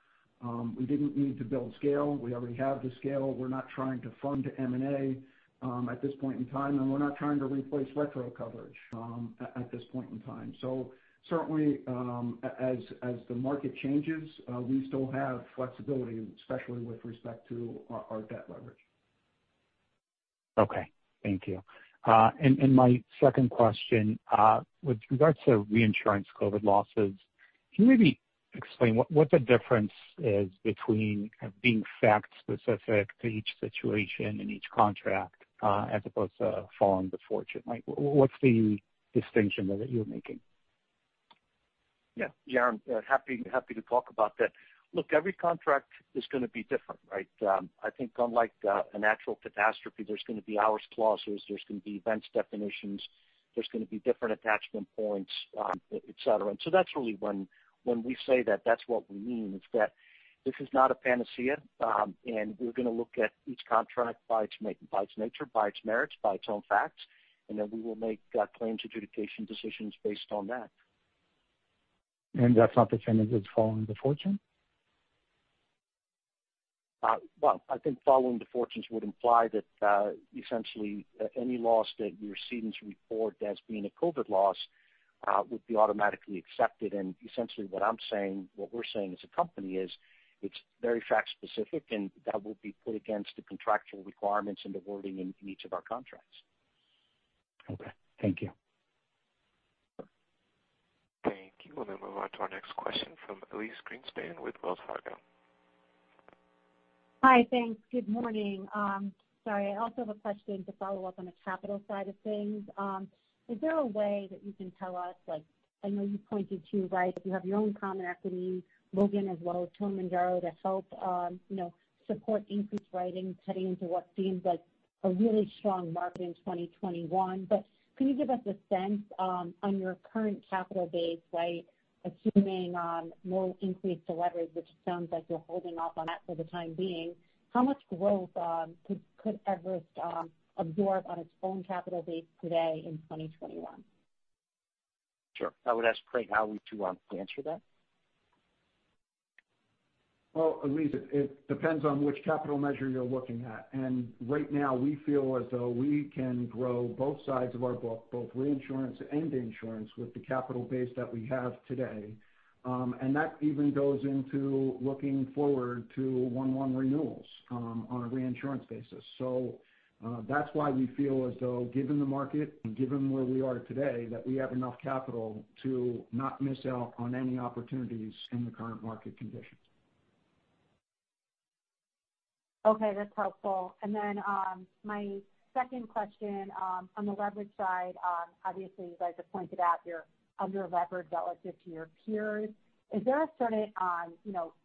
We didn't need to build scale. We already have the scale. We're not trying to fund M&A at this point in time, and we're not trying to replace retro coverage at this point in time. Certainly, as the market changes, we still have flexibility, especially with respect to our debt leverage. Okay. Thank you. My second question, with regards to reinsurance COVID losses, can you maybe explain what the difference is between being fact-specific to each situation and each contract, as opposed to following the fortunes? What's the distinction there that you're making? Yeah. Yaron, happy to talk about that. Look, every contract is going to be different. I think unlike a natural catastrophe, there's going to be hours clauses, there's going to be event definitions, there's going to be different attachment points, et cetera. That's really when we say that's what we mean is that this is not a panacea, and we're going to look at each contract by its nature, by its merits, by its own facts, and then we will make claims adjudication decisions based on that. That's not the same as following the fortunes? Well, I think following the fortunes would imply that essentially any loss that you're seeing us report as being a COVID loss would be automatically accepted. Essentially what I'm saying, what we're saying as a company is it's very fact-specific, and that will be put against the contractual requirements and the wording in each of our contracts. Okay. Thank you. Thank you. We'll now move on to our next question from Elyse Greenspan with Wells Fargo. Hi. Thanks. Good morning. Sorry, I also have a question to follow up on the capital side of things. Is there a way that you can tell us, I know you pointed to, that you have your own common equity, Logan, as well as Kilimanjaro to help support increased writing, cutting into what seems like a really strong market in 2021. Can you give us a sense on your current capital base, assuming more increased leverage, which sounds like you're holding off on that for the time being, how much growth could Everest absorb on its own capital base today in 2021? Sure. I would ask Craig Howie to answer that. Well, Elyse, it depends on which capital measure you're looking at. Right now, we feel as though we can grow both sides of our book, both reinsurance and insurance, with the capital base that we have today. That even goes into looking forward to 1/1 renewals on a reinsurance basis. That's why we feel as though given the market and given where we are today, that we have enough capital to not miss out on any opportunities in the current market conditions. Okay. That's helpful. My second question, on the leverage side, obviously you guys have pointed out you're under leveraged relative to your peers. Is there a certain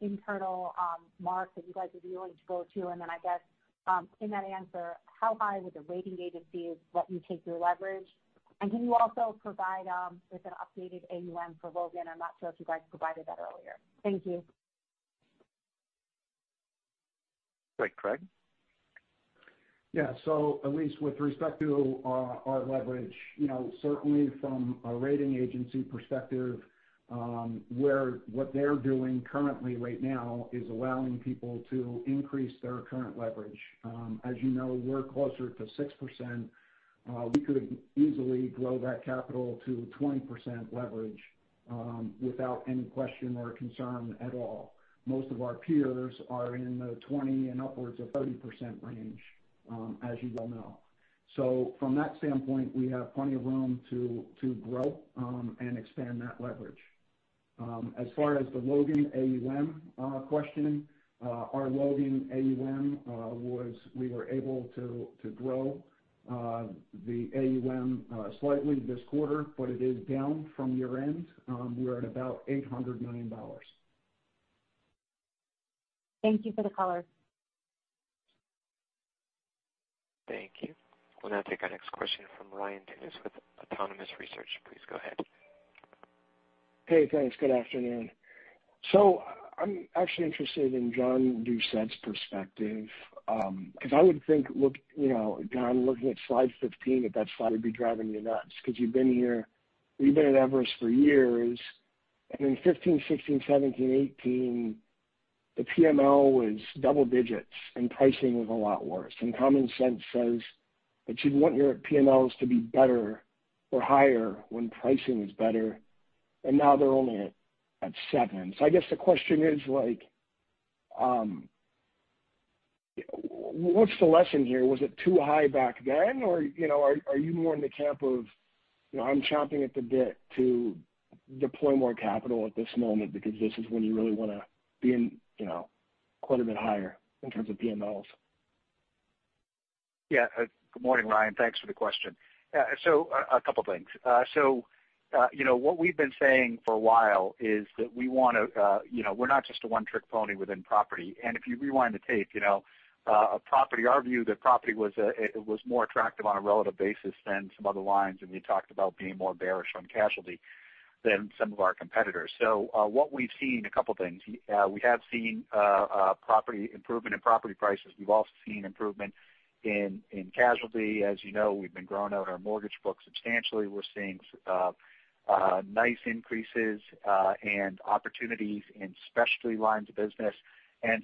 internal mark that you guys would be willing to go to? I guess in that answer, how high would the rating agencies let you take your leverage? Can you also provide us with an updated AUM for Logan? I'm not sure if you guys provided that earlier. Thank you. Great, Craig? Elyse, with respect to our leverage, certainly from a rating agency perspective, what they're doing currently right now is allowing people to increase their current leverage. As you know, we're closer to 6%. We could easily grow that capital to 20% leverage without any question or concern at all. Most of our peers are in the 20% and upwards of 30% range, as you well know. From that standpoint, we have plenty of room to grow and expand that leverage. As far as the Logan AUM question, our Logan AUM, we were able to grow the AUM slightly this quarter, but it is down from year-end. We're at about $800 million. Thank you for the color. Thank you. We'll now take our next question from Ryan Tunis with Autonomous Research. Please go ahead. Hey, thanks. Good afternoon. I'm actually interested in John Doucette's perspective, because I would think, John, looking at slide 15, that that slide would be driving you nuts because you've been at Everest for years. In 2015, 2016, 2017, 2018, the PML was double digits and pricing was a lot worse. Common sense says that you'd want your PMLs to be better or higher when pricing is better, and now they're only at seven. I guess the question is, what's the lesson here? Was it too high back then? Are you more in the camp of, I'm chomping at the bit to deploy more capital at this moment because this is when you really want to be in quite a bit higher in terms of PMLs? Good morning, Ryan. Thanks for the question. A couple things. What we've been saying for a while is that we're not just a one-trick pony within property. If you rewind the tape, our view that property was more attractive on a relative basis than some other lines, and we talked about being more bearish on casualty than some of our competitors. What we've seen, a couple things. We have seen improvement in property prices. We've also seen improvement in casualty. As you know, we've been growing out our mortgage book substantially. We're seeing nice increases and opportunities in specialty lines of business.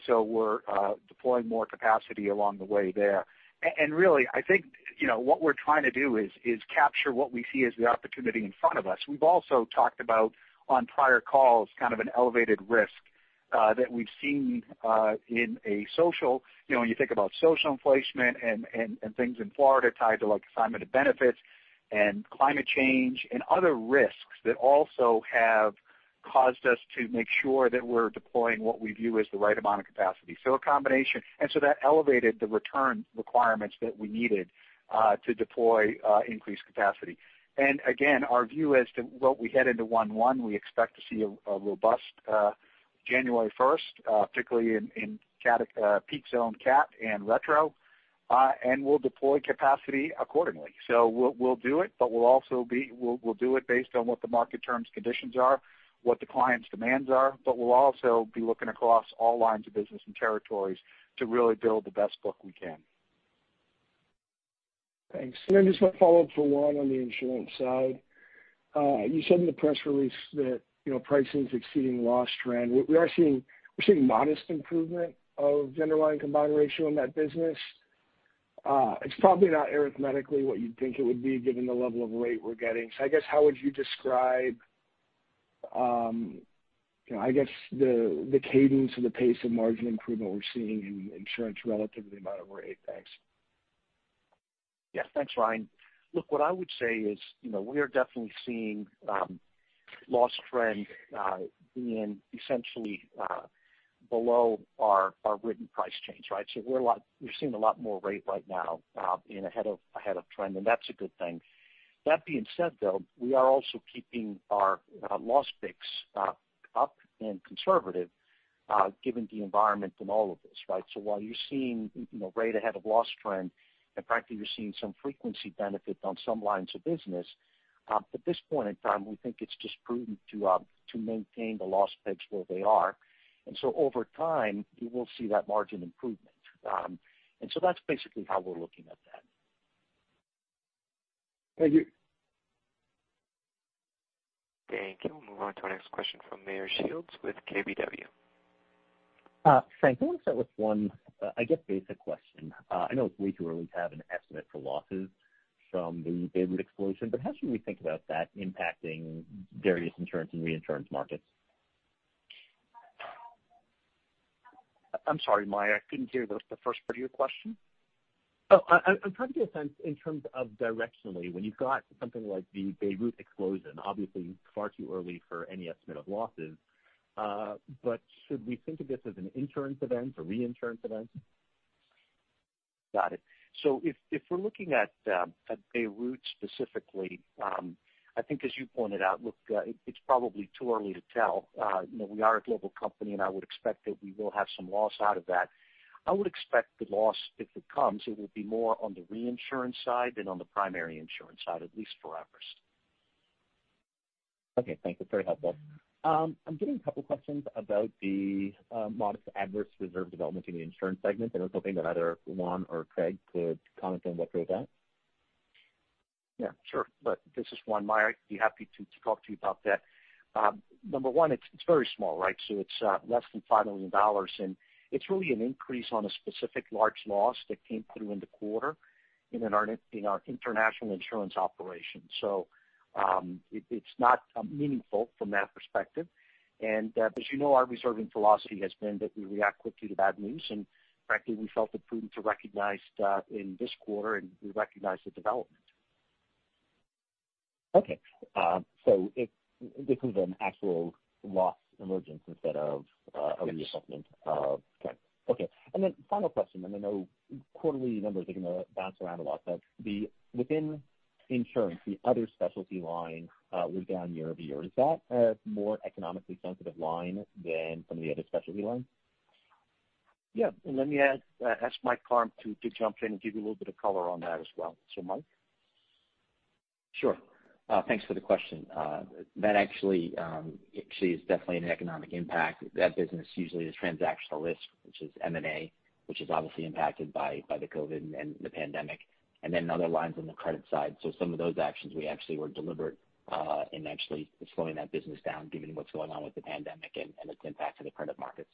We're deploying more capacity along the way there. Really, I think what we're trying to do is capture what we see as the opportunity in front of us. We've also talked about, on prior calls, kind of an elevated risk that we've seen in a social. When you think about social inflation and things in Florida tied to assignment of benefits and climate change and other risks that also have caused us to make sure that we're deploying what we view as the right amount of capacity. A combination. That elevated the return requirements that we needed to deploy increased capacity. Again, our view as to what we head into 1/1, we expect to see a robust January 1st, particularly in peak zone cat and retro, and we'll deploy capacity accordingly. We'll do it, but we'll do it based on what the market terms conditions are, what the client's demands are, but we'll also be looking across all lines of business and territories to really build the best book we can. Thanks. Just one follow-up for Juan on the insurance side. You said in the press release that pricing's exceeding loss trend. We're seeing modest improvement of underlying combined ratio in that business. It's probably not arithmetically what you'd think it would be given the level of rate we're getting. I guess how would you describe the cadence or the pace of margin improvement we're seeing in insurance relative to the amount of rate, thanks? Thanks, Ryan. Look, what I would say is, we are definitely seeing loss trend being essentially below our written price change, right? We're seeing a lot more rate right now being ahead of trend, and that's a good thing. That being said, though, we are also keeping our loss picks up and conservative given the environment in all of this, right? While you're seeing rate ahead of loss trend, and frankly, you're seeing some frequency benefit on some lines of business, at this point in time, we think it's just prudent to maintain the loss picks where they are. Over time, you will see that margin improvement. That's basically how we're looking at that. Thank you. Thank you. We'll move on to our next question from Meyer Shields with KBW. Thank you. I want to start with one, I guess, basic question. I know it's way too early to have an estimate for losses from the Beirut explosion, but how should we think about that impacting various insurance and reinsurance markets? I'm sorry, Meyer, I couldn't hear the first part of your question. I'm trying to get a sense in terms of directionally, when you've got something like the Beirut explosion, obviously far too early for any estimate of losses, but should we think of this as an insurance event, a reinsurance event? Got it. If we're looking at Beirut specifically, I think as you pointed out, look, it's probably too early to tell. We are a global company, and I would expect that we will have some loss out of that. I would expect the loss, if it comes, it will be more on the reinsurance side than on the primary insurance side, at least for Everest. Okay, thanks. That's very helpful. I'm getting a couple questions about the modest adverse reserve development in the insurance segment. I was hoping that either Juan or Craig could comment on what drove that. Yeah, sure. This is Juan. Meyer, I'd be happy to talk to you about that. Number one, it's very small, right? It's less than $5 million, and it's really an increase on a specific large loss that came through in the quarter in our international insurance operations. It's not meaningful from that perspective. As you know, our reserving philosophy has been that we react quickly to bad news, and frankly, we felt it prudent to recognize that in this quarter, and we recognized the development. Okay. This is an actual loss emergence instead of a reassessment of. Yes. Okay. Final question, and I know quarterly numbers are going to bounce around a lot, but within insurance, the other specialty line was down year-over-year. Is that a more economically sensitive line than some of the other specialty lines? Yeah. Let me ask Mike Karm to jump in and give you a little bit of color on that as well. Mike? Sure. Thanks for the question. That actually sees definitely an economic impact. That business usually is transactional risk, which is M&A, which is obviously impacted by the COVID and the pandemic, and then other lines on the credit side. Some of those actions, we actually were deliberate in actually slowing that business down given what's going on with the pandemic and its impact to the credit markets.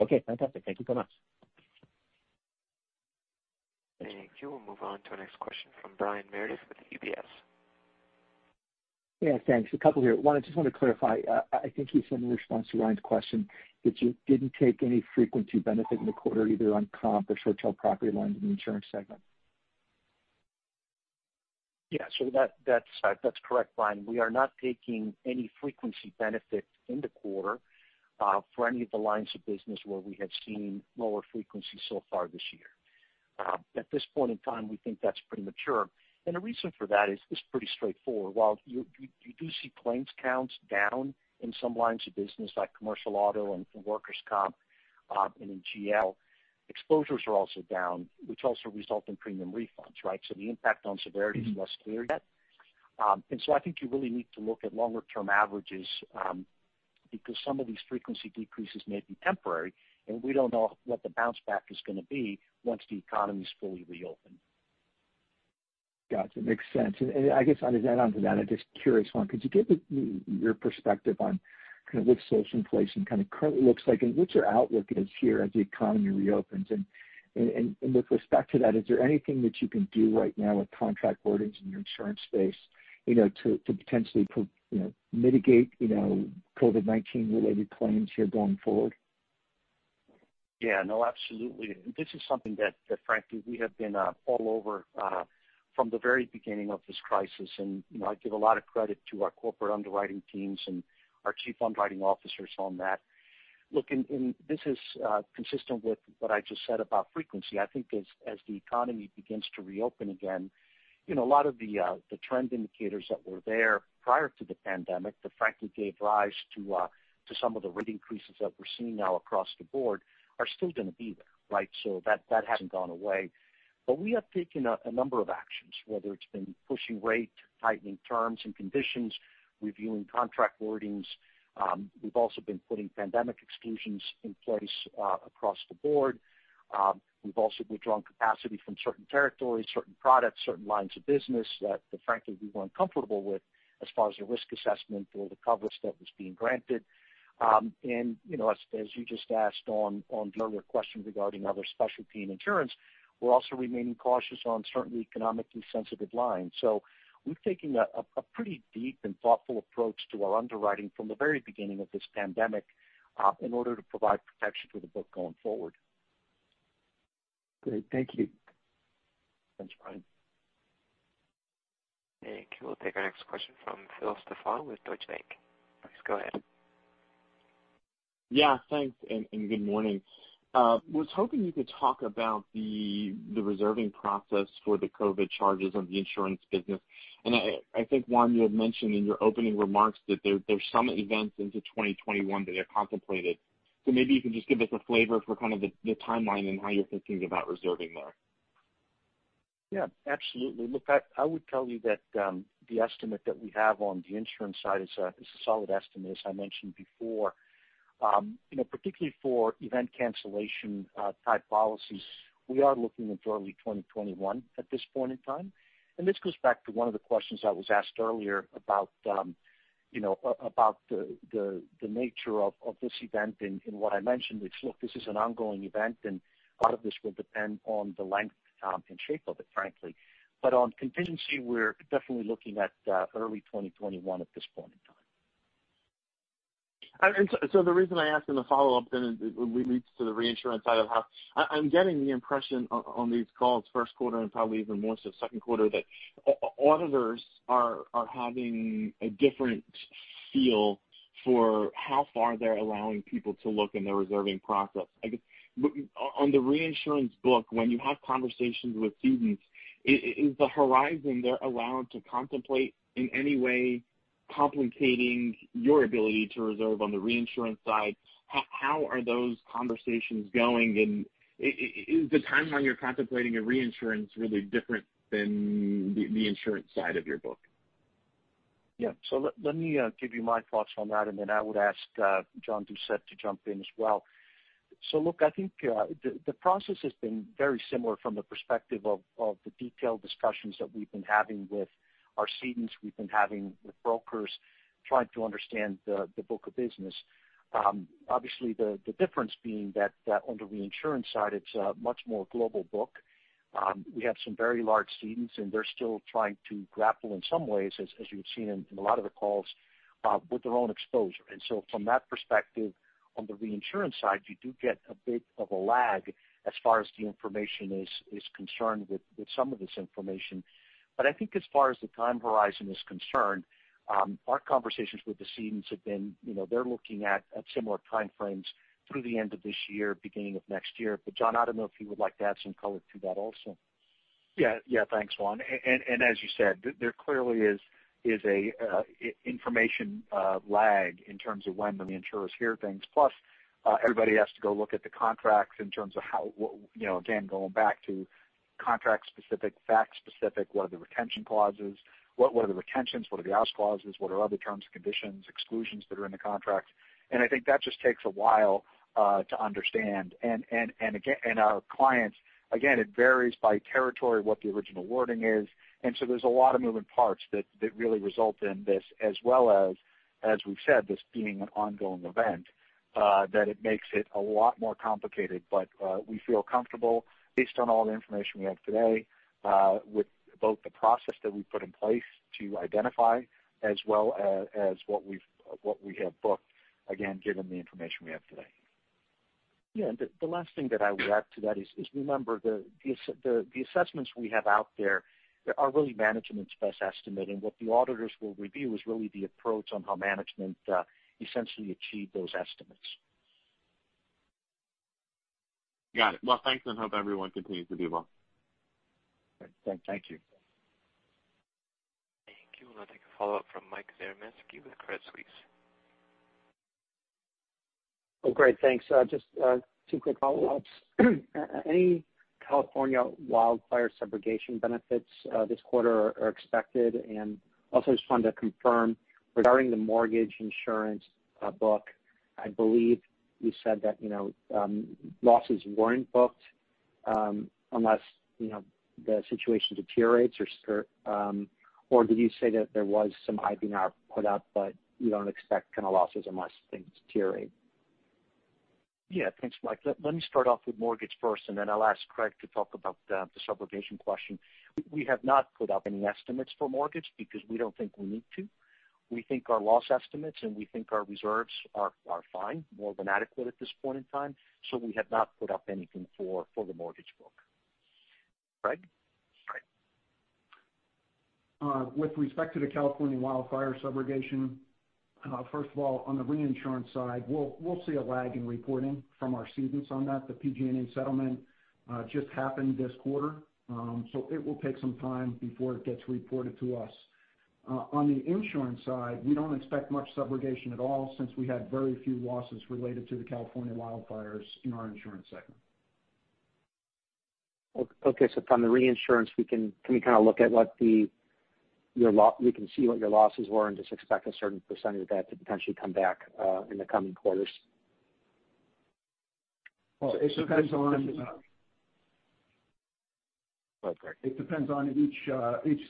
Okay, fantastic. Thank you so much. Thank you. We'll move on to our next question from Brian Meredith with UBS. Yeah, thanks. A couple here. One, I just want to clarify. I think you said in response to Ryan's question that you didn't take any frequency benefit in the quarter, either on comp or short tail property lines in the insurance segment. Yeah. That's correct, Brian. We are not taking any frequency benefit in the quarter, for any of the lines of business where we have seen lower frequency so far this year. At this point in time, we think that's premature, and the reason for that is pretty straightforward. While you do see claims counts down in some lines of business, like commercial auto and workers' comp, and in GL, exposures are also down, which also result in premium refunds, right? The impact on severity is less clear yet. I think you really need to look at longer-term averages, because some of these frequency decreases may be temporary, and we don't know what the bounce back is going to be once the economy's fully reopened. Got you. Makes sense. I guess onto that, I'm just curious, Juan, could you give your perspective on what social inflation currently looks like, and what your outlook is here as the economy reopens? With respect to that, is there anything that you can do right now with contract wordings in your insurance space to potentially mitigate COVID-19 related claims here going forward? Yeah, no, absolutely. This is something that, frankly, we have been all over from the very beginning of this crisis, and I give a lot of credit to our corporate underwriting teams and our chief underwriting officers on that. Look, this is consistent with what I just said about frequency. I think as the economy begins to reopen again, a lot of the trend indicators that were there prior to the pandemic that frankly gave rise to some of the rate increases that we're seeing now across the board are still going to be there, right? That hasn't gone away. We have taken a number of actions, whether it's been pushing rate, tightening terms and conditions, reviewing contract wordings. We've also been putting pandemic exclusions in place across the board. We've also withdrawn capacity from certain territories, certain products, certain lines of business that frankly, we weren't comfortable with as far as the risk assessment or the coverage that was being granted. As you just asked on the earlier question regarding other specialty and insurance, we're also remaining cautious on certain economically sensitive lines. We've taken a pretty deep and thoughtful approach to our underwriting from the very beginning of this pandemic, in order to provide protection for the book going forward. Great. Thank you. Thanks, Brian. Thank you. We'll take our next question from Phil Stefano with Deutsche Bank. Please go ahead. Yeah, thanks, and good morning. Was hoping you could talk about the reserving process for the COVID charges on the insurance business. I think, Juan, you had mentioned in your opening remarks that there's some events into 2021 that are contemplated. Maybe you can just give us a flavor for the timeline and how you're thinking about reserving there. Yeah, absolutely. Look, I would tell you that the estimate that we have on the insurance side is a solid estimate, as I mentioned before. Particularly for event cancellation type policies, we are looking into early 2021 at this point in time. This goes back to one of the questions I was asked earlier about the nature of this event and what I mentioned, which, look, this is an ongoing event, and a lot of this will depend on the length and shape of it, frankly. On contingency, we're definitely looking at early 2021 at this point in time. The reason I ask in the follow-up then leads to the reinsurance side of how I'm getting the impression on these calls, first quarter and probably even more so second quarter, that auditors are having a different feel for how far they're allowing people to look in their reserving process. I guess, on the reinsurance book, when you have conversations with cedents, is the horizon they're allowed to contemplate in any way complicating your ability to reserve on the reinsurance side? How are those conversations going, and is the timeline you're contemplating in reinsurance really different than the insurance side of your book? Yeah. Let me give you my thoughts on that, and then I would ask John Doucette to jump in as well. Look, I think the process has been very similar from the perspective of the detailed discussions that we've been having with our cedents, we've been having with brokers, trying to understand the book of business. Obviously, the difference being that on the reinsurance side, it's a much more global book. We have some very large cedents, and they're still trying to grapple in some ways, as you've seen in a lot of the calls, with their own exposure. From that perspective, on the reinsurance side, you do get a bit of a lag as far as the information is concerned with some of this information. I think as far as the time horizon is concerned, our conversations with the cedents have been, they're looking at similar time frames through the end of this year, beginning of next year. John, I don't know if you would like to add some color to that also. Yeah. Thanks, Juan. As you said, there clearly is an information lag in terms of when the insurers hear things. Plus everybody has to go look at the contracts in terms of how, again, going back to contract specific, fact specific, what are the retention clauses? What are the retentions? What are the hours clauses? What are other terms and conditions, exclusions that are in the contract? I think that just takes a while to understand. Our clients, again, it varies by territory, what the original wording is, and so there's a lot of moving parts that really result in this, as well as we've said, this being an ongoing event, that it makes it a lot more complicated. We feel comfortable based on all the information we have today, with both the process that we put in place to identify as well as what we have booked, again, given the information we have today. Yeah. The last thing that I would add to that is, remember the assessments we have out there are really management's best estimate. What the auditors will review is really the approach on how management essentially achieved those estimates. Got it. Well, thanks, and hope everyone continues to do well. Thank you. Thank you. We'll now take a follow-up from Mike Zaremski with Credit Suisse. Oh, great. Thanks. Just two quick follow-ups. Any California wildfire subrogation benefits this quarter are expected? Also just wanted to confirm, regarding the mortgage insurance book, I believe you said that losses weren't booked unless the situation deteriorates. Or did you say that there was some IBNR put up, but you don't expect losses unless things deteriorate? Thanks, Mike. Let me start off with mortgage first, and then I'll ask Craig to talk about the subrogation question. We have not put up any estimates for mortgage because we don't think we need to. We think our loss estimates and we think our reserves are fine, more than adequate at this point in time. We have not put up anything for the mortgage book. Craig? With respect to the California wildfire subrogation, first of all, on the reinsurance side, we'll see a lag in reporting from our cedents on that. The PG&E settlement just happened this quarter, so it will take some time before it gets reported to us. On the insurance side, we don't expect much subrogation at all since we had very few losses related to the California wildfires in our insurance segment. Okay. From the reinsurance, we can see what your losses were and just expect a certain percentage of that to potentially come back in the coming quarters? Well. Go ahead, Craig. It depends on each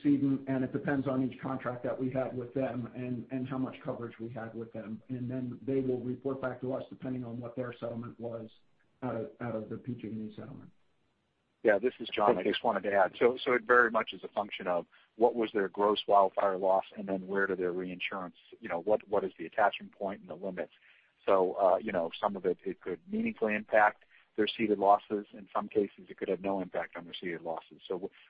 cedent, and it depends on each contract that we have with them and how much coverage we had with them. Then they will report back to us depending on what their settlement was out of the PG&E settlement. Yeah, this is John. I just wanted to add, it very much is a function of what was their gross wildfire loss and then where do their reinsurance, what is the attachment point and the limits. Some of it could meaningfully impact their ceded losses. In some cases, it could have no impact on their ceded losses.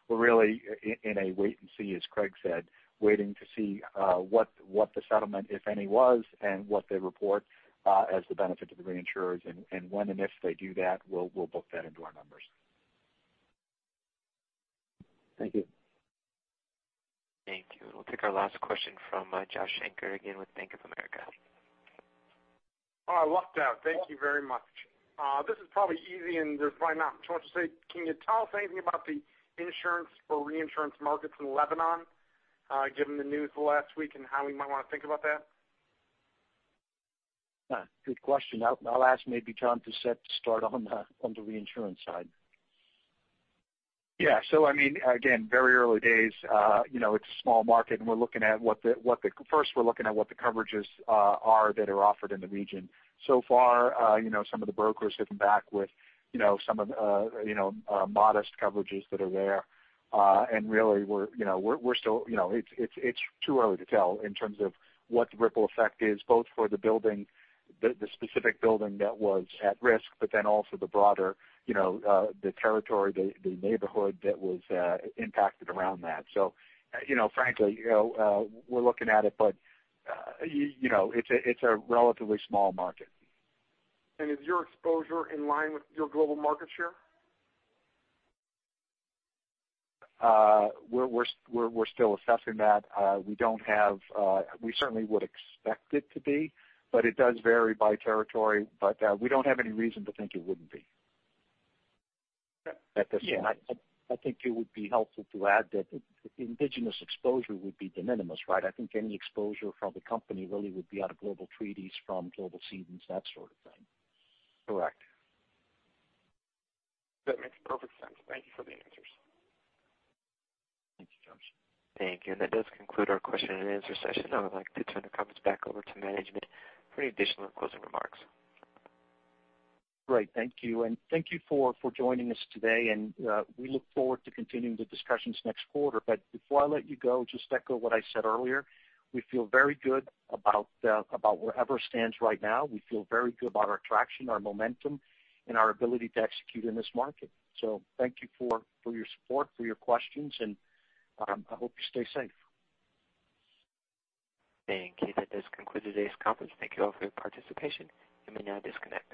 We're really in a wait and see, as Craig said, waiting to see what the settlement, if any, was and what they report as the benefit to the reinsurers. When and if they do that, we'll book that into our numbers. Thank you. Thank you. We'll take our last question from Josh Shanker again with Bank of America. Oh, I lucked out. Thank you very much. This is probably easy and there's probably not much more to say. Can you tell us anything about the insurance or reinsurance markets in Lebanon, given the news last week and how we might want to think about that? Good question. I'll ask maybe John Doucette to start on the reinsurance side. Yeah. Again, very early days. It's a small market and first we're looking at what the coverages are that are offered in the region. So far, some of the brokers have come back with some modest coverages that are there. Really it's too early to tell in terms of what the ripple effect is, both for the specific building that was at risk, but then also the broader territory, the neighborhood that was impacted around that. Frankly, we're looking at it, but it's a relatively small market. Is your exposure in line with your global market share? We're still assessing that. We certainly would expect it to be, but it does vary by territory. We don't have any reason to think it wouldn't be at this point. I think it would be helpful to add that indigenous exposure would be de minimis, right? I think any exposure from the company really would be out of global treaties from global cedents, that sort of thing. Correct. That makes perfect sense. Thank you for the answers. Thanks, Josh. Thank you. That does conclude our question-and-answer session. I would like to turn the comments back over to management for any additional closing remarks. Great. Thank you. Thank you for joining us today, and we look forward to continuing the discussions next quarter. Before I let you go, just to echo what I said earlier, we feel very good about where Everest stands right now. We feel very good about our traction, our momentum, and our ability to execute in this market. Thank you for your support, for your questions, and I hope you stay safe. Thank you. That does conclude today's conference. Thank you all for your participation. You may now disconnect.